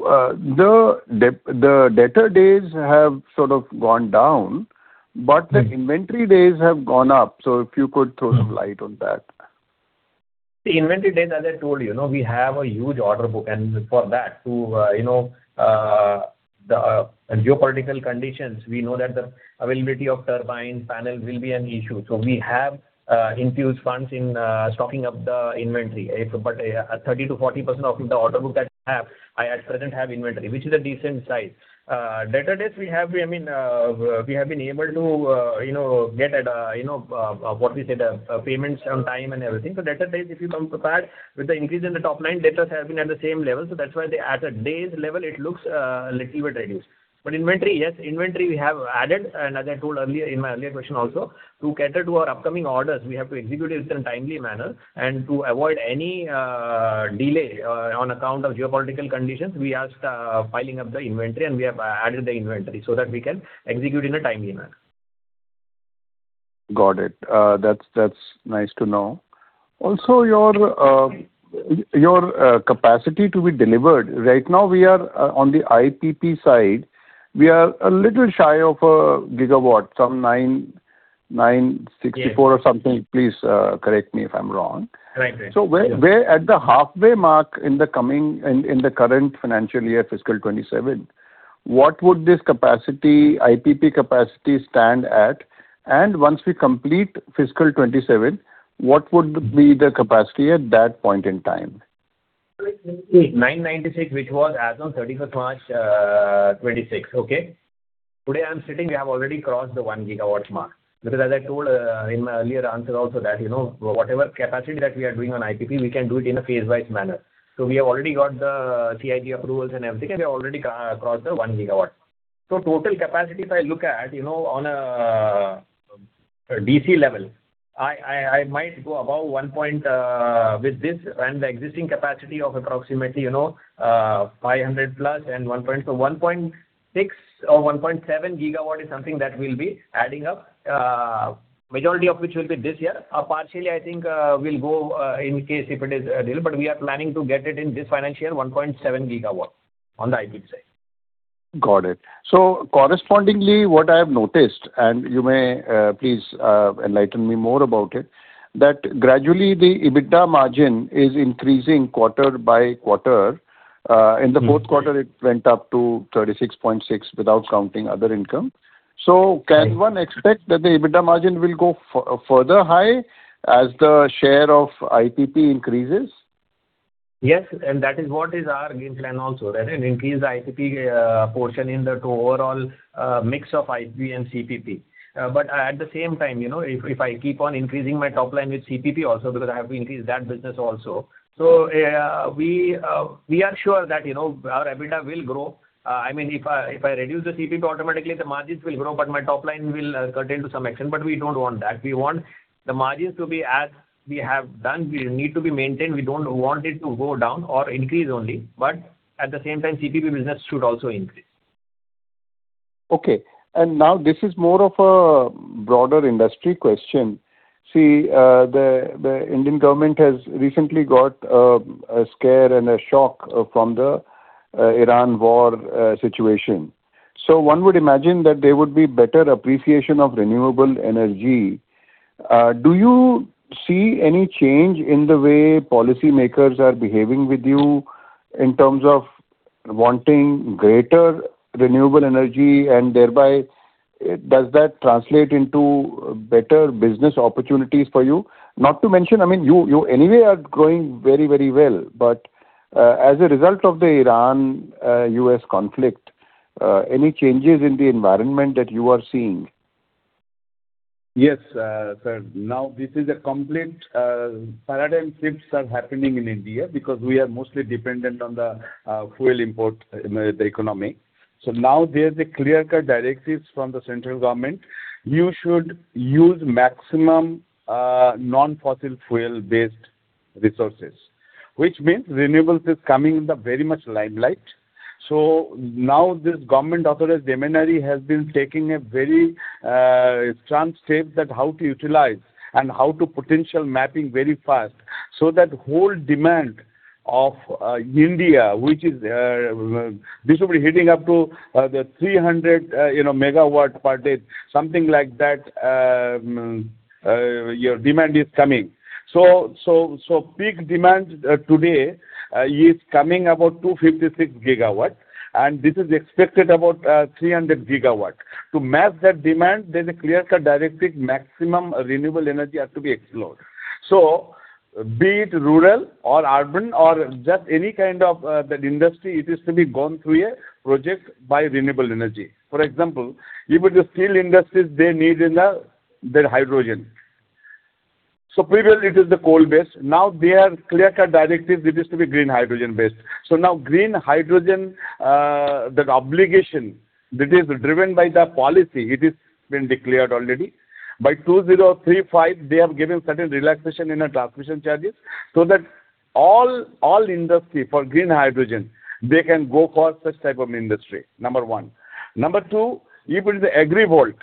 The debtor days have sort of gone down, but the inventory days have gone up. If you could throw some light on that. The inventory days, as I told you know, we have a huge order book. For that to, you know, the geopolitical conditions, we know that the availability of turbine panels will be an issue. We have infused funds in stocking up the inventory. 30%-40% of the order book that I have, I at present have inventory, which is a decent size. Debtor days, we have, I mean, we have been able to, you know, get at, you know, what we say the payments on time and everything. Debtor days, if you compare with the increase in the top line, debtors have been at the same level. That's why at a days level it looks little bit reduced. Inventory, yes, inventory we have added. As I told earlier in my earlier question also, to cater to our upcoming orders, we have to execute it in a timely manner. To avoid any delay on account of geopolitical conditions, we asked piling up the inventory, and we have added the inventory so that we can execute in a timely manner. Got it. That's nice to know. Your capacity to be delivered. Right now we are on the IPP side, we are a little shy of a gigawatt, some 964 or something. Yeah. Please, correct me if I'm wrong. Right. Right. Where at the halfway mark in the current financial year, fiscal 2027, what would this capacity, IPP capacity stand at? And once we complete fiscal 2027, what would be the capacity at that point in time? 996, which was as of 31st March 2026. Okay. Today I'm sitting, we have already crossed the 1 GW mark. As I told, in my earlier answer also that, you know, whatever capacity that we are doing on IPP, we can do it in a phase-wise manner. We have already got the CEIG approvals and everything, and we have already crossed the 1 GW. Total capacity, if I look at, you know, on a DC level, I might go above 1. with this and the existing capacity of approximately, you know, 500+ and 1. 1.6 or 1.7 GW is something that we'll be adding up. Majority of which will be this year. Partially I think, we'll go in case if it is available. We are planning to get it in this financial year, 1.7 gigawatt on the IPP side. Got it. Correspondingly, what I have noticed, and you may please enlighten me more about it, that gradually the EBITDA margin is increasing quarter by quarter. In the fourth quarter it went up to 36.6% without counting other income. Can one expect that the EBITDA margin will go further high as the share of IPP increases? That is what is our game plan also, that increase the IPP portion in the overall mix of IPP and CPP. At the same time, you know, if I keep on increasing my top line with CPP also because I have to increase that business also. We are sure that, you know, our EBITDA will grow. I mean, if I reduce the CPP, automatically the margins will grow, but my top line will curtail to some extent. We don't want that. We want the margins to be as we have done. We need to be maintained. We don't want it to go down or increase only. At the same time, CPP business should also increase. Okay. This is more of a broader industry question. See, the Indian government has recently got a scare and a shock from the Iran war situation. One would imagine that there would be better appreciation of renewable energy. Do you see any change in the way policymakers are behaving with you in terms of wanting greater renewable energy, and thereby does that translate into better business opportunities for you? Not to mention, I mean, you anyway are growing very, very well. As a result of the Iran, U.S. conflict, any changes in the environment that you are seeing? Yes, sir. Now this is a complete paradigm shifts are happening in India because we are mostly dependent on the fuel import in the economy. Now there's a clear-cut directives from the central government. You should use maximum non-fossil fuel-based resources, which means renewables is coming in the very much limelight. Now this government authorized ministry has been taking a very strong steps at how to utilize and how to potential mapping very fast. That whole demand of India, which is, this will be heating up to the 300, you know, megawatt per day, something like that, your demand is coming. Peak demand today is coming about 256 gigawatt, and this is expected about 300 gigawatt. To map that demand, there's a clear-cut directive maximum renewable energy has to be explored. Be it rural or urban or just any kind of that industry, it is to be gone through a project by renewable energy. For example, even the steel industries they need the hydrogen. Previously it is the coal-based. Now there are clear-cut directives it is to be green hydrogen-based. Now green hydrogen, the obligation that is driven by the policy, it is been declared already. By 2035, they have given certain relaxation in the transmission charges so that all industry for green hydrogen, they can go for such type of industry, number one. Number two, even the agri volt,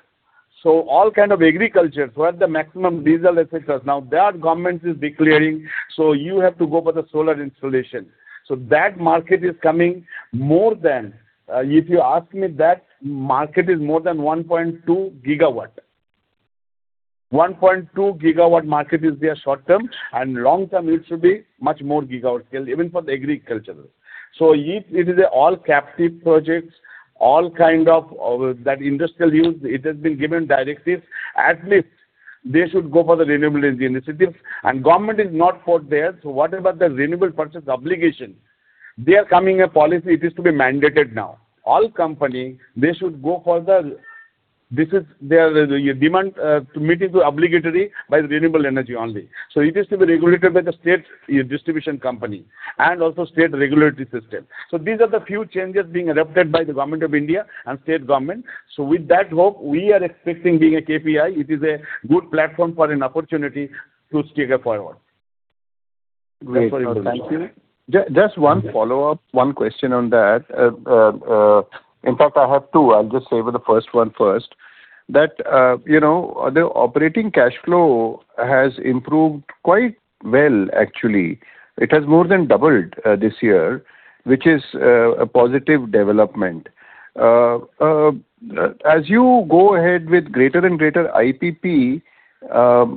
all kind of agricultures where the maximum diesel, etc., now the government is declaring, "So you have to go for the solar installation." That market is coming more than, if you ask me that market is more than 1.2 GW. 1.2 GW market is there short term, and long term it should be much more GW scale even for the agricultural. If it is all captive projects, all kind of that industrial use, it has been given directives, at least they should go for the renewable energy initiatives. Government is not for there, what about the renewable purchase obligation? There is coming a policy it is to be mandated now. All company, they should go. This is their demand to meet to obligatory by the renewable energy only. It is to be regulated by the state distribution company and also state regulatory system. These are the few changes being adopted by the Government of India and State Government. With that hope, we are expecting being a KPI. It is a good platform for an opportunity to scale forward. Great. No, thank you. Just one follow-up, one question on that. In fact, I have two. I will just save the first one first. That, you know, the operating cash flow has improved quite well actually. It has more than doubled this year, which is a positive development. As you go ahead with greater and greater IPP,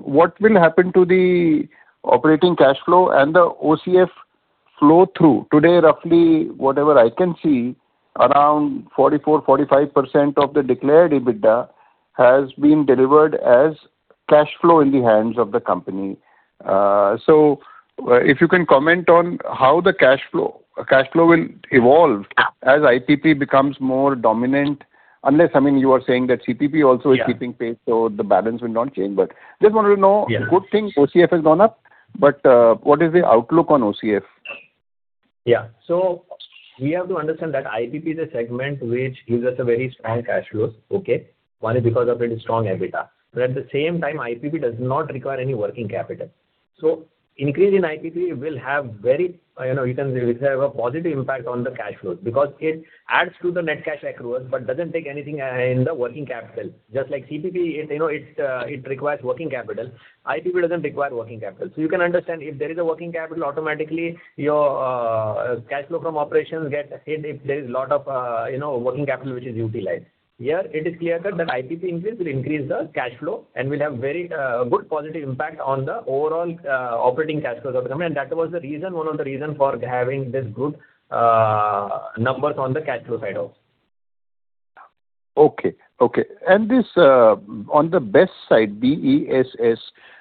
what will happen to the operating cash flow and the OCF flow through? Today, roughly whatever I can see, around 44%-45% of the declared EBITDA has been delivered as cash flow in the hands of the company. If you can comment on how the cash flow will evolve as IPP becomes more dominant. Unless, I mean, you are saying that CPP also is keeping pace, so the balance will not change. I just wanted to know. Yeah good thing OCF has gone up, but, what is the outlook on OCF? We have to understand that IPP is a segment which gives us a very strong cash flows. One is because of its strong EBITDA. At the same time, IPP does not require any working capital. Increase in IPP will have very, you know, it can reserve a positive impact on the cash flows because it adds to the net cash accruals but doesn't take anything in the working capital. Just like CPP, it, you know, it requires working capital. IPP doesn't require working capital. You can understand if there is a working capital, automatically your cash flow from operations get hit if there is a lot of, you know, working capital which is utilized. Here it is clear cut that IPP increase will increase the cash flow and will have very good positive impact on the overall operating cash flows of the company. That was the reason, one of the reason for having this good numbers on the cash flow side also. Okay, okay. This on the BESS side, B-E-S-S,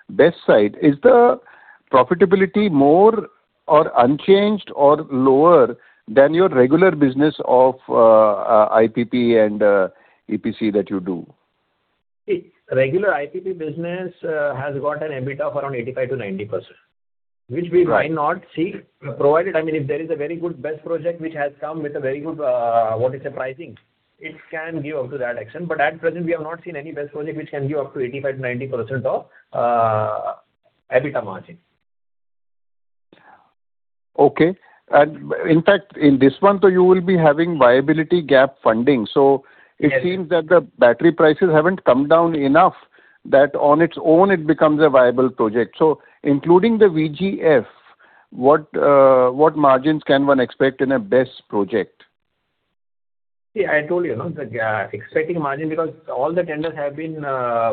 BESS side, is the profitability more or unchanged or lower than your regular business of IPP and EPC that you do? Regular IPP business has got an EBITDA of around 85%-90%, which we might not see, provided, I mean, if there is a very good BESS project which has come with a very good, what is the pricing, it can give up to that extent. At present, we have not seen any BESS project which can give up to 85%-90% of EBITDA margin. Okay. In fact, in this one though you will be having Viability Gap Funding. It seems that the battery prices haven't come down enough that on its own it becomes a viable project. Including the VGF, what margins can one expect in a BESS project? See, I told you, no? The expecting margin because all the tenders have been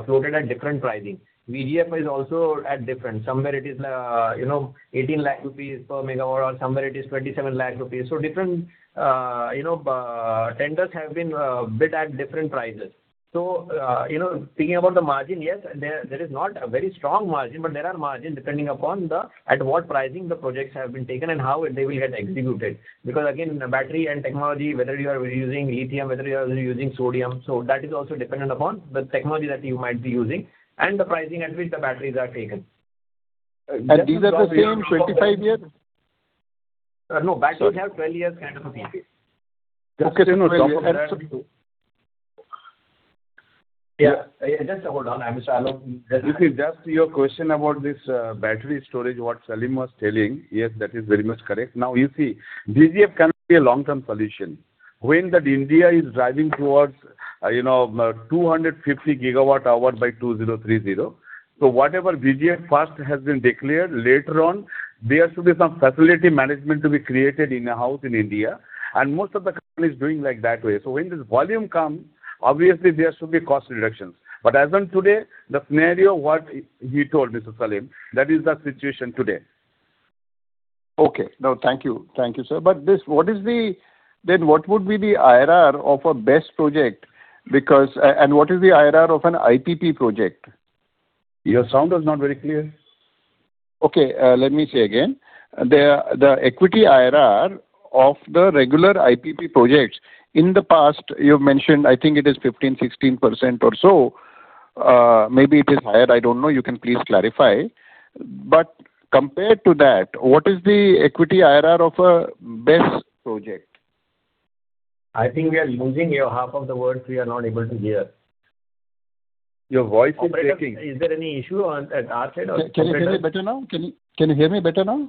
floated at different pricing. VGF is also at different. Somewhere it is, you know, 18 lakh rupees per MW or somewhere it is 27 lakh rupees. Different, you know, tenders have been bid at different prices. Speaking about the margin, yes, there is not a very strong margin, but there are margin depending upon the at what pricing the projects have been taken and how they will get executed. Because again, the battery and technology, whether you are using lithium, whether you are using sodium, that is also dependent upon the technology that you might be using and the pricing at which the batteries are taken. These batteries have 25 years? No. Batteries have 12 years kind of a PP. Okay. No, no. Yeah. Just hold on. I'm sorry. I know You see, just your question about this, battery storage, what Salim was telling, yes, that is very much correct. Now, you see, VGF can be a long-term solution. When that India is driving towards, you know, 250 GWh by 2030. Whatever VGF first has been declared, later on, there should be some facility management to be created in-house in India, and most of the company is doing like that way. When this volume come, obviously there should be cost reductions. As on today, the scenario, what he told, Mr. Salim, that is the situation today. Okay. No, thank you. Thank you, sir. What would be the IRR of a BESS project? What is the IRR of an IPP project? Your sound was not very clear. Let me say again. The equity IRR of the regular IPP projects, in the past you have mentioned, I think it is 15%, 16% or so. Maybe it is higher, I don't know. You can please clarify. Compared to that, what is the equity IRR of a BESS project? I think we are losing your half of the words. We are not able to hear. Your voice is breaking. Operator, is there any issue at our side or operator? Can you hear me better now? Can you hear me better now?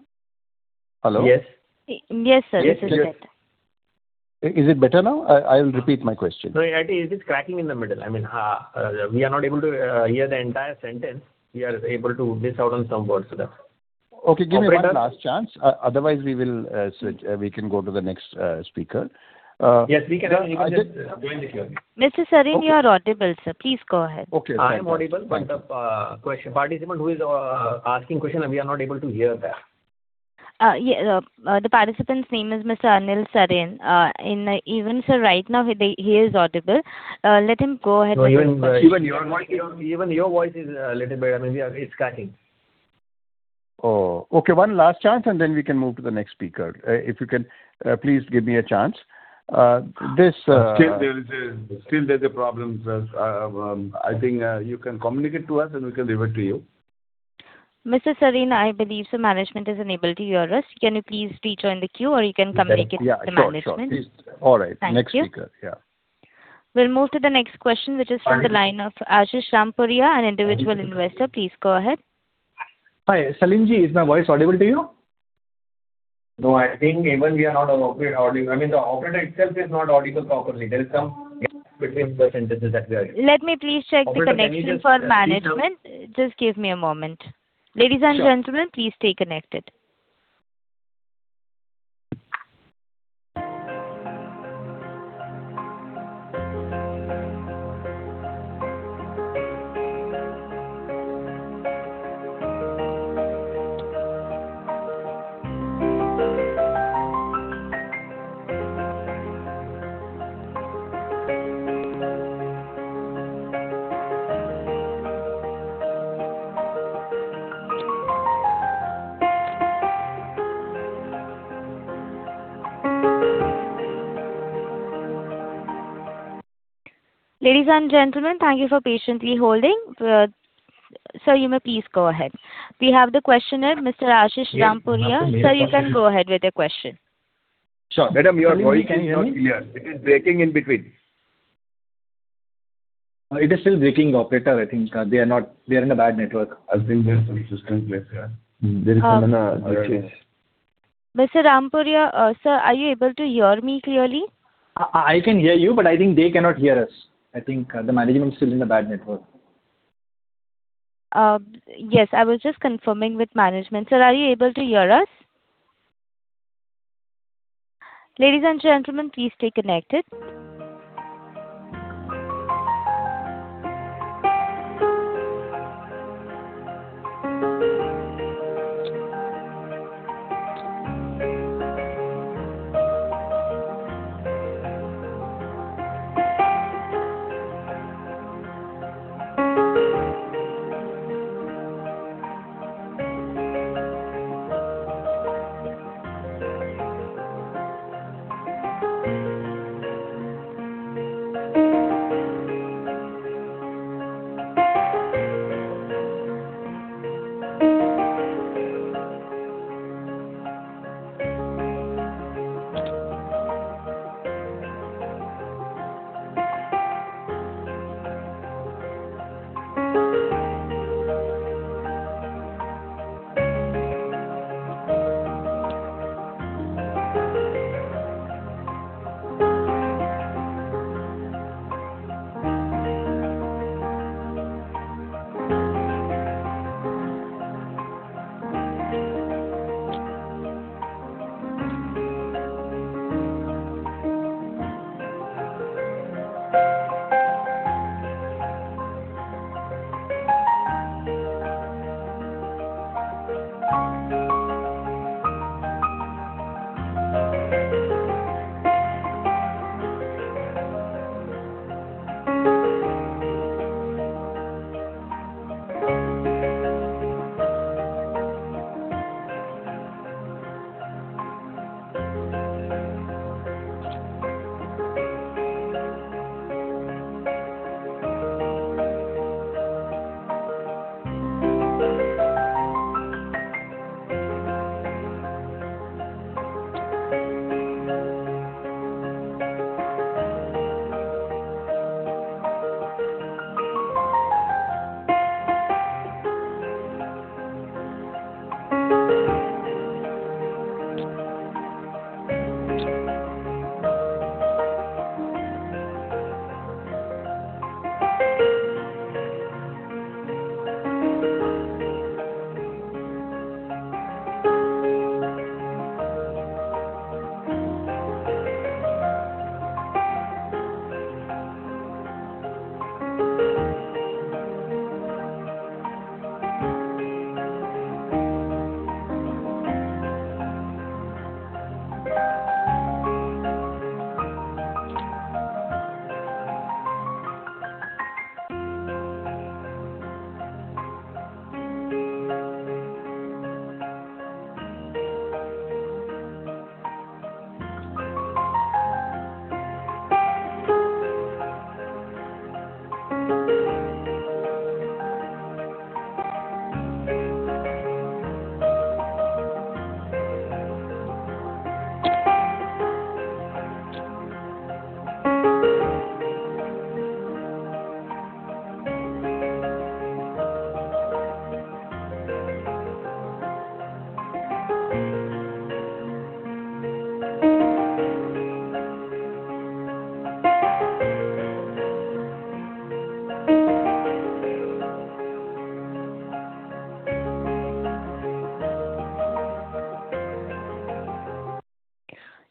Hello? Yes. Yes, sir. This is better. Is it better now? I'll repeat my question. No, it is cracking in the middle. I mean, we are not able to hear the entire sentence. We are able to miss out on some words, sir. Okay. Give me one last chance. Otherwise we will switch. We can go to the next speaker. Yes, we can. You can just join the queue. Mr. Salim, you are audible, sir. Please go ahead. Okay. Thank you. I am audible, but the question, participant who is asking question, we are not able to hear them. Yeah, the participant's name is Mr. Anil Sarin. Even, sir, right now he is audible. Let him go ahead with his question. No, even your voice is a little bit I mean, it's cutting. Oh, okay. One last chance, and then we can move to the next speaker. If you can, please give me a chance. Still there's a problem, sir. I think you can communicate to us, and we can revert to you. Mr. Sarin, I believe the management is unable to hear us. Can you please rejoin the queue or you can communicate with the management? Yeah, sure. Please. All right. Thank you. Next speaker. Yeah. We'll move to the next question, which is from the line of Ashish Rampuria, an individual investor. Please go ahead. Hi, Salimji, is my voice audible to you? I think even we are not audible. I mean, the operator itself is not audible properly. There is some gap between the sentences that we are hearing. Let me please check the connection for management. Just give me a moment. Ladies and gentlemen, please stay connected. Ladies and gentlemen, thank you for patiently holding. Sir, you may please go ahead. We have the questioner, Mr. Ashish Rampuria. Sir, you can go ahead with your question. Sure. Madam, your voice is not clear. It is breaking in between. It is still breaking, operator. I think they are in a bad network. I think there is some system glitch, yeah. There is some glitch. Mr. Rampuria, sir, are you able to hear me clearly? I can hear you, but I think they cannot hear us. I think the management's still in a bad network. Yes. I was just confirming with management. Sir, are you able to hear us? Ladies and gentlemen, please stay connected.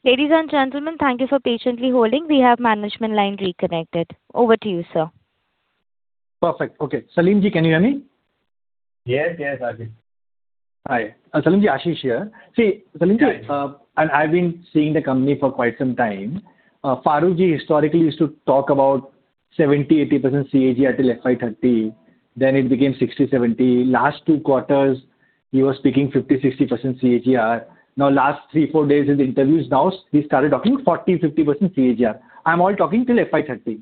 Ladies and gentlemen, thank you for patiently holding. We have management line reconnected. Over to you, sir. Perfect. Okay. Salimji, can you hear me? Yes, yes, Ashish. Hi. Salim, Ashish here. See, Salim, Hi I've been seeing the company for quite some time. Farugji historically used to talk about 70%-80% CAGR till FY 2030, then it became 60%-70%. Last two quarters he was speaking 50%-60% CAGR. Last three, four days in interviews now he started talking 40%-50% CAGR. I'm all talking till FY 2030.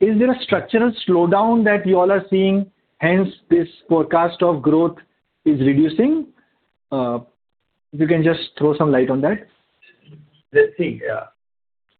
Is there a structural slowdown that you all are seeing, hence this forecast of growth is reducing? If you can just throw some light on that. Let's see.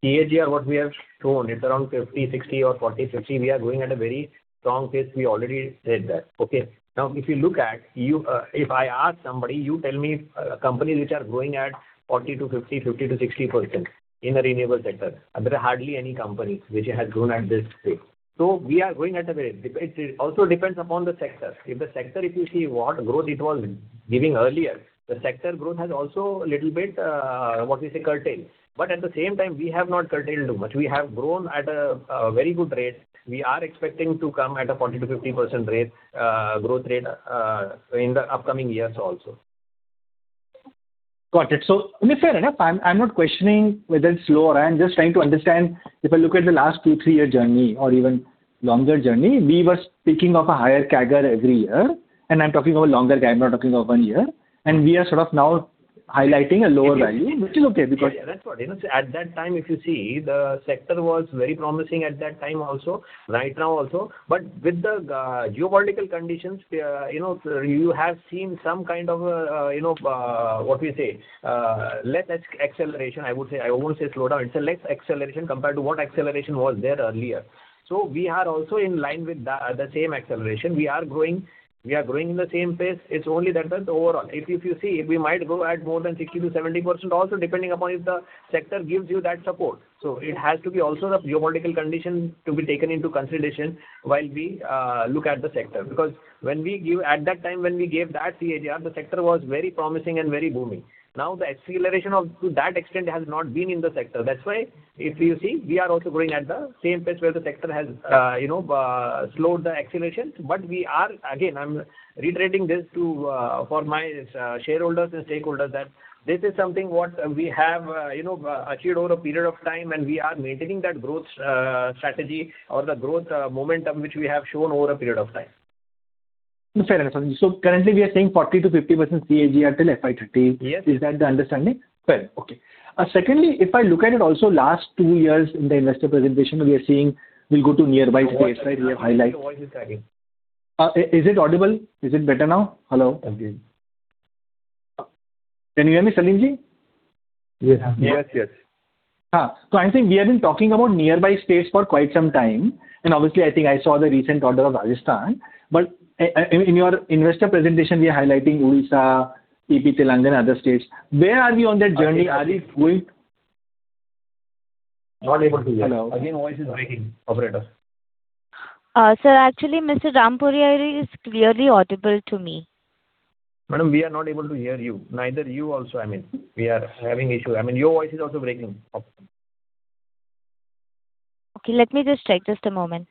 CAGR what we have shown, it's around 50%, 60% or 40%, 50%. We are growing at a very strong pace. We already said that. Okay. Now, if you look at, you, if I ask somebody, you tell me, companies which are growing at 40%-50%, 50%-60% in the renewable sector. There are hardly any company which has grown at this pace. We are growing at a very. It also depends upon the sector. If the sector, if you see what growth it was giving earlier, the sector growth has also little bit, what we say, curtailed. At the same time, we have not curtailed too much. We have grown at a very good rate. We are expecting to come at a 40%-50% rate, growth rate, in the upcoming years also. Got it. I mean, fair enough. I'm not questioning whether it's slow or I'm just trying to understand, if I look at the last two, three-year journey or even longer journey, we were speaking of a higher CAGR every year, and I'm talking about longer, I'm not talking of one year, and we are sort of now highlighting a lower value. Yeah which is okay. Yeah, that's what. You know, at that time, if you see, the sector was very promising at that time also, right now also. With the geopolitical conditions, you know, you have seen some kind of, you know, what we say, less acceleration, I would say. I won't say slowdown. It's a less acceleration compared to what acceleration was there earlier. We are also in line with the same acceleration. We are growing in the same pace. It's only that the overall. If you see, we might grow at more than 60%-70% also, depending upon if the sector gives you that support. It has to be also the geopolitical condition to be taken into consideration while we look at the sector. When we gave that CAGR, the sector was very promising and very booming. The acceleration of, to that extent has not been in the sector. That's why if you see, we are also growing at the same pace where the sector has, you know, slowed the acceleration. We are, again, I'm reiterating this to, for my shareholders and stakeholders that this is something what we have, you know, achieved over a period of time and we are maintaining that growth strategy or the growth momentum which we have shown over a period of time. Fair enough. Currently we are saying 40%-50% CAGR till FY 2013. Yes. Is that the understanding? Fair. Okay. Secondly, if I look at it also last two years in the investor presentation, we are seeing we'll go to nearby states, right? Your voice is cracking. Is it audible? Is it better now? Hello. Again. Can you hear me, Salim Yahoo? Yes. Yes. I think we have been talking about nearby states for quite some time, and obviously, I think I saw the recent order of Rajasthan. In your investor presentation, we are highlighting Odisha, CPP Telangana, other states. Where are we on that journey? Are we going? Not able to hear. Hello. Again, voice is breaking. Operator. Sir, actually Mr. Rampuria is clearly audible to me. Madam, we are not able to hear you. Neither you also, I mean. We are having issue. I mean, your voice is also breaking. Okay, let me just check. Just a moment.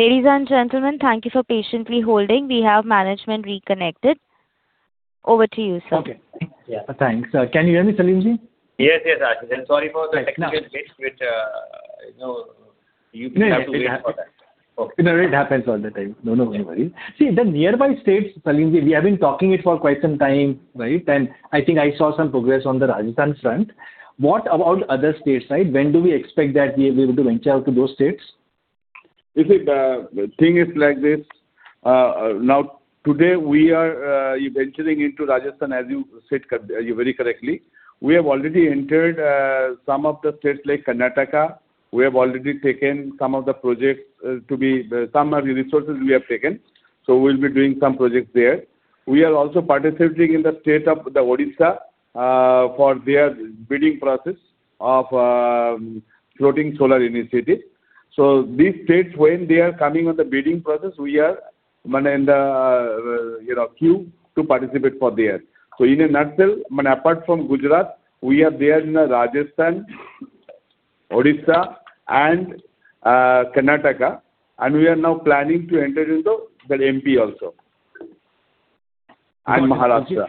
Ladies and gentlemen, thank you for patiently holding. We have management reconnected. Over to you, sir Okay. Yeah. Thanks. Can you hear me, Salim? Yes, yes, Ashish Rampuria. Sorry for the technical glitch which, you know, you have to wait for that. No, no, it happens. Okay. No, no, it happens all the time. No, no, don't worry. See, the nearby states, Salimji, we have been talking it for quite some time, right? I think I saw some progress on the Rajasthan front. What about other states, right? When do we expect that we'll be able to venture out to those states? You see, the thing is like this. Now today we are venturing into Rajasthan, as you said very correctly. We have already entered some of the states like Karnataka. We have already taken some of the projects to be some of the resources we have taken, so we'll be doing some projects there. We are also participating in the state of the Odisha for their bidding process of floating solar initiative. These states, when they are coming on the bidding process, we are, I mean, in the, you know, queue to participate for there. In a nutshell, I mean, apart from Gujarat, we are there in Rajasthan, Odisha and Karnataka, and we are now planning to enter into the MP also and Maharashtra.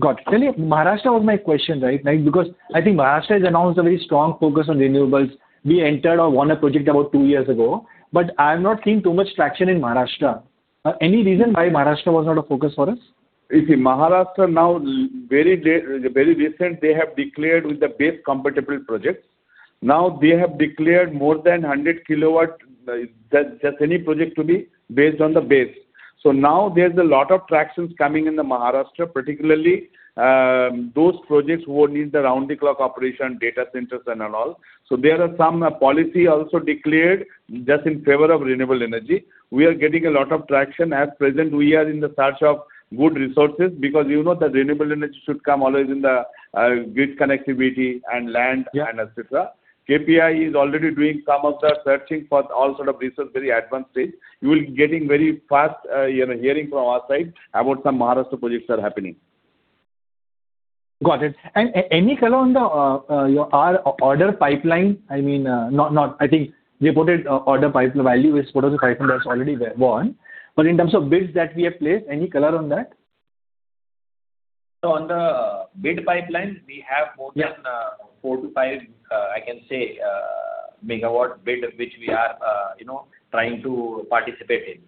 Got it. Tell me, Maharashtra was my question, right? Like, because I think Maharashtra has announced a very strong focus on renewables. We entered or won a project about two years ago, but I've not seen too much traction in Maharashtra. Any reason why Maharashtra was not a focus for us? You see, Maharashtra now, very recent, they have declared with the base compatible projects. Now they have declared more than 100 kW, just any project to be based on the base. Now there's a lot of tractions coming in the Maharashtra, particularly, those projects who need the round-the-clock operation data centers and all. There are some policy also declared just in favor of renewable energy. We are getting a lot of traction. At present, we are in the search of good resources because you know that renewable energy should come always in the grid connectivity and land- Yeah. Et cetera. KPI is already doing some of the searching for all sort of resource very advanced stage. You will be getting very fast, you know, hearing from our side about some Maharashtra projects are happening. Got it. Any color on your order pipeline? I mean, not I think reported order pipe value is part of the pipeline that's already won. In terms of bids that we have placed, any color on that? On the bid pipeline. Yeah. 4-5 MW bid which we are, you know, trying to participate in.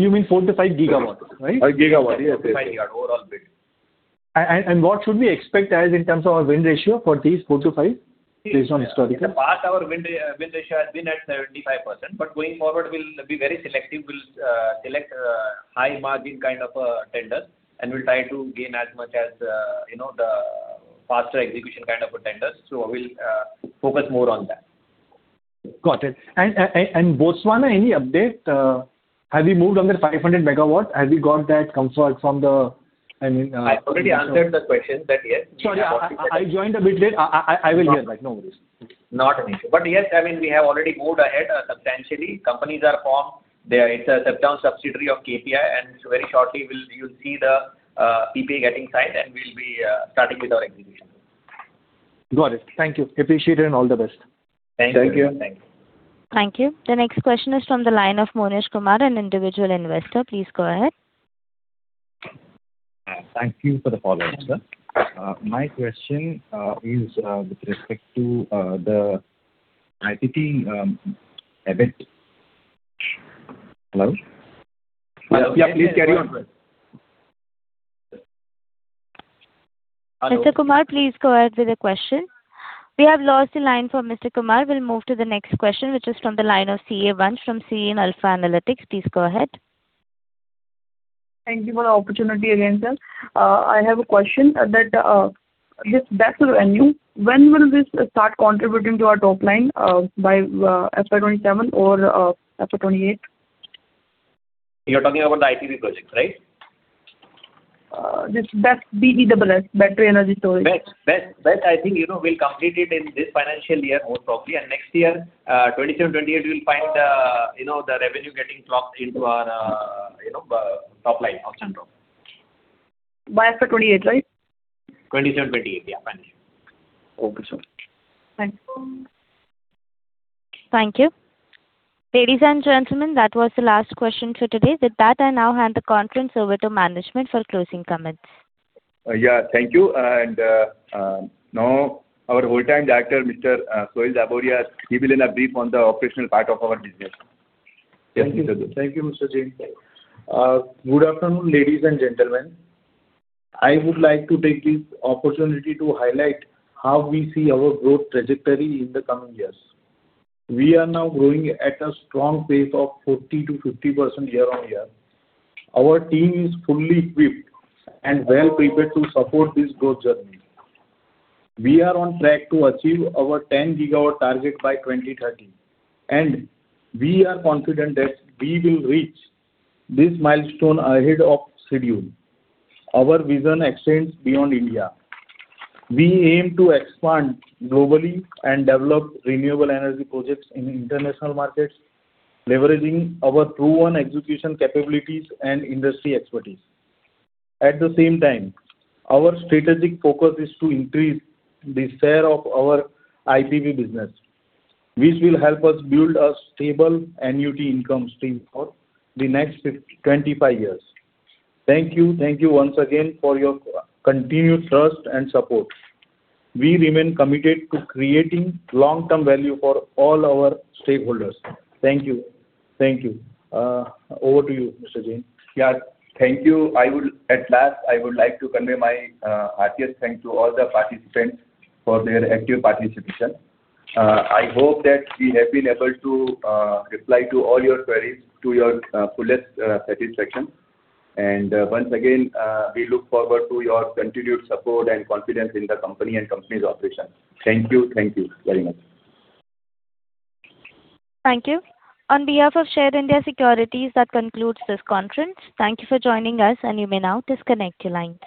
You mean four to five gigawatts, right? gigawatt. Yes, yes. Four to five gigawatt overall bid. What should we expect as in terms of our win ratio for these 4 to 5 based on historical? In the past, our win ratio has been at 75%. Going forward, we'll be very selective. We'll select high margin kind of tenders, and we'll try to gain as much as, you know, the faster execution kind of tenders. We'll focus more on that. Got it. Botswana, any update? Have we moved on the 500 MW? Have we got that consult from the, I mean? I already answered that question that, yes, we have. Sorry, I joined a bit late. I will hear, right. No worries. Not an issue. Yes, I mean, we have already moved ahead substantially. Companies are formed. It's a subsidiary of KPI, and very shortly you'll see the PPA getting signed, and we'll be starting with our execution. Got it. Thank you. Appreciate it, and all the best. Thank you. Thank you. Thanks. Thank you. The next question is from the line of Monish Kumar, an individual investor. Please go ahead. Thank you for the follow-up, sir. My question, is, with respect to, the IPP, debit. Hello? Yeah, please carry on. Mr. Kumar, please go ahead with your question. We have lost the line for Mr. Kumar. We'll move to the next question, which is from the line of CA Vansh from Serene Alpha Analytics. Please go ahead. Thank you for the opportunity again, sir. I have a question that, this BESS revenue, when will this start contributing to our top line, by FY 2027 or FY 2028? You're talking about the IPP project, right? This BESS, B-E-S-S, Battery Energy Storage System. BESS. BESS, I think, you know, we'll complete it in this financial year most probably, and next year, 2027, 2028 we'll find, you know, the revenue getting clocked into our, you know, top line of SunRoam. By FY 2028, right? 27, 28, yeah. Fine. Okay, sir. Thank you. Thank you. Ladies and gentlemen, that was the last question for today. With that, I now hand the conference over to management for closing comments. Yeah. Thank you. Now our Whole-Time Director, Mr. Mohmed Sohil Yusufbhai Dabhoya, he will then brief on the operational part of our business. Yes. Thank you, Mr. Jain. Good afternoon, ladies and gentlemen. I would like to take this opportunity to highlight how we see our growth trajectory in the coming years. We are now growing at a strong pace of 40%-50% YOY. Our team is fully equipped and well prepared to support this growth journey. We are on track to achieve our 10 gigawatt target by 2030, and we are confident that we will reach this milestone ahead of schedule. Our vision extends beyond India. We aim to expand globally and develop renewable energy projects in international markets, leveraging our proven execution capabilities and industry expertise. At the same time, our strategic focus is to increase the share of our IPP business, which will help us build a stable annuity income stream for the next 25 years. Thank you. Thank you once again for your continued trust and support. We remain committed to creating long-term value for all our stakeholders. Thank you. Thank you. Over to you, Mr. Jain. Thank you. At last, I would like to convey my heartiest thanks to all the participants for their active participation. I hope that we have been able to reply to all your queries to your fullest satisfaction. Once again, we look forward to your continued support and confidence in the company and company's operations. Thank you. Thank you very much. Thank you. On behalf of Share India Securities, that concludes this conference. Thank you for joining us. You may now disconnect your line.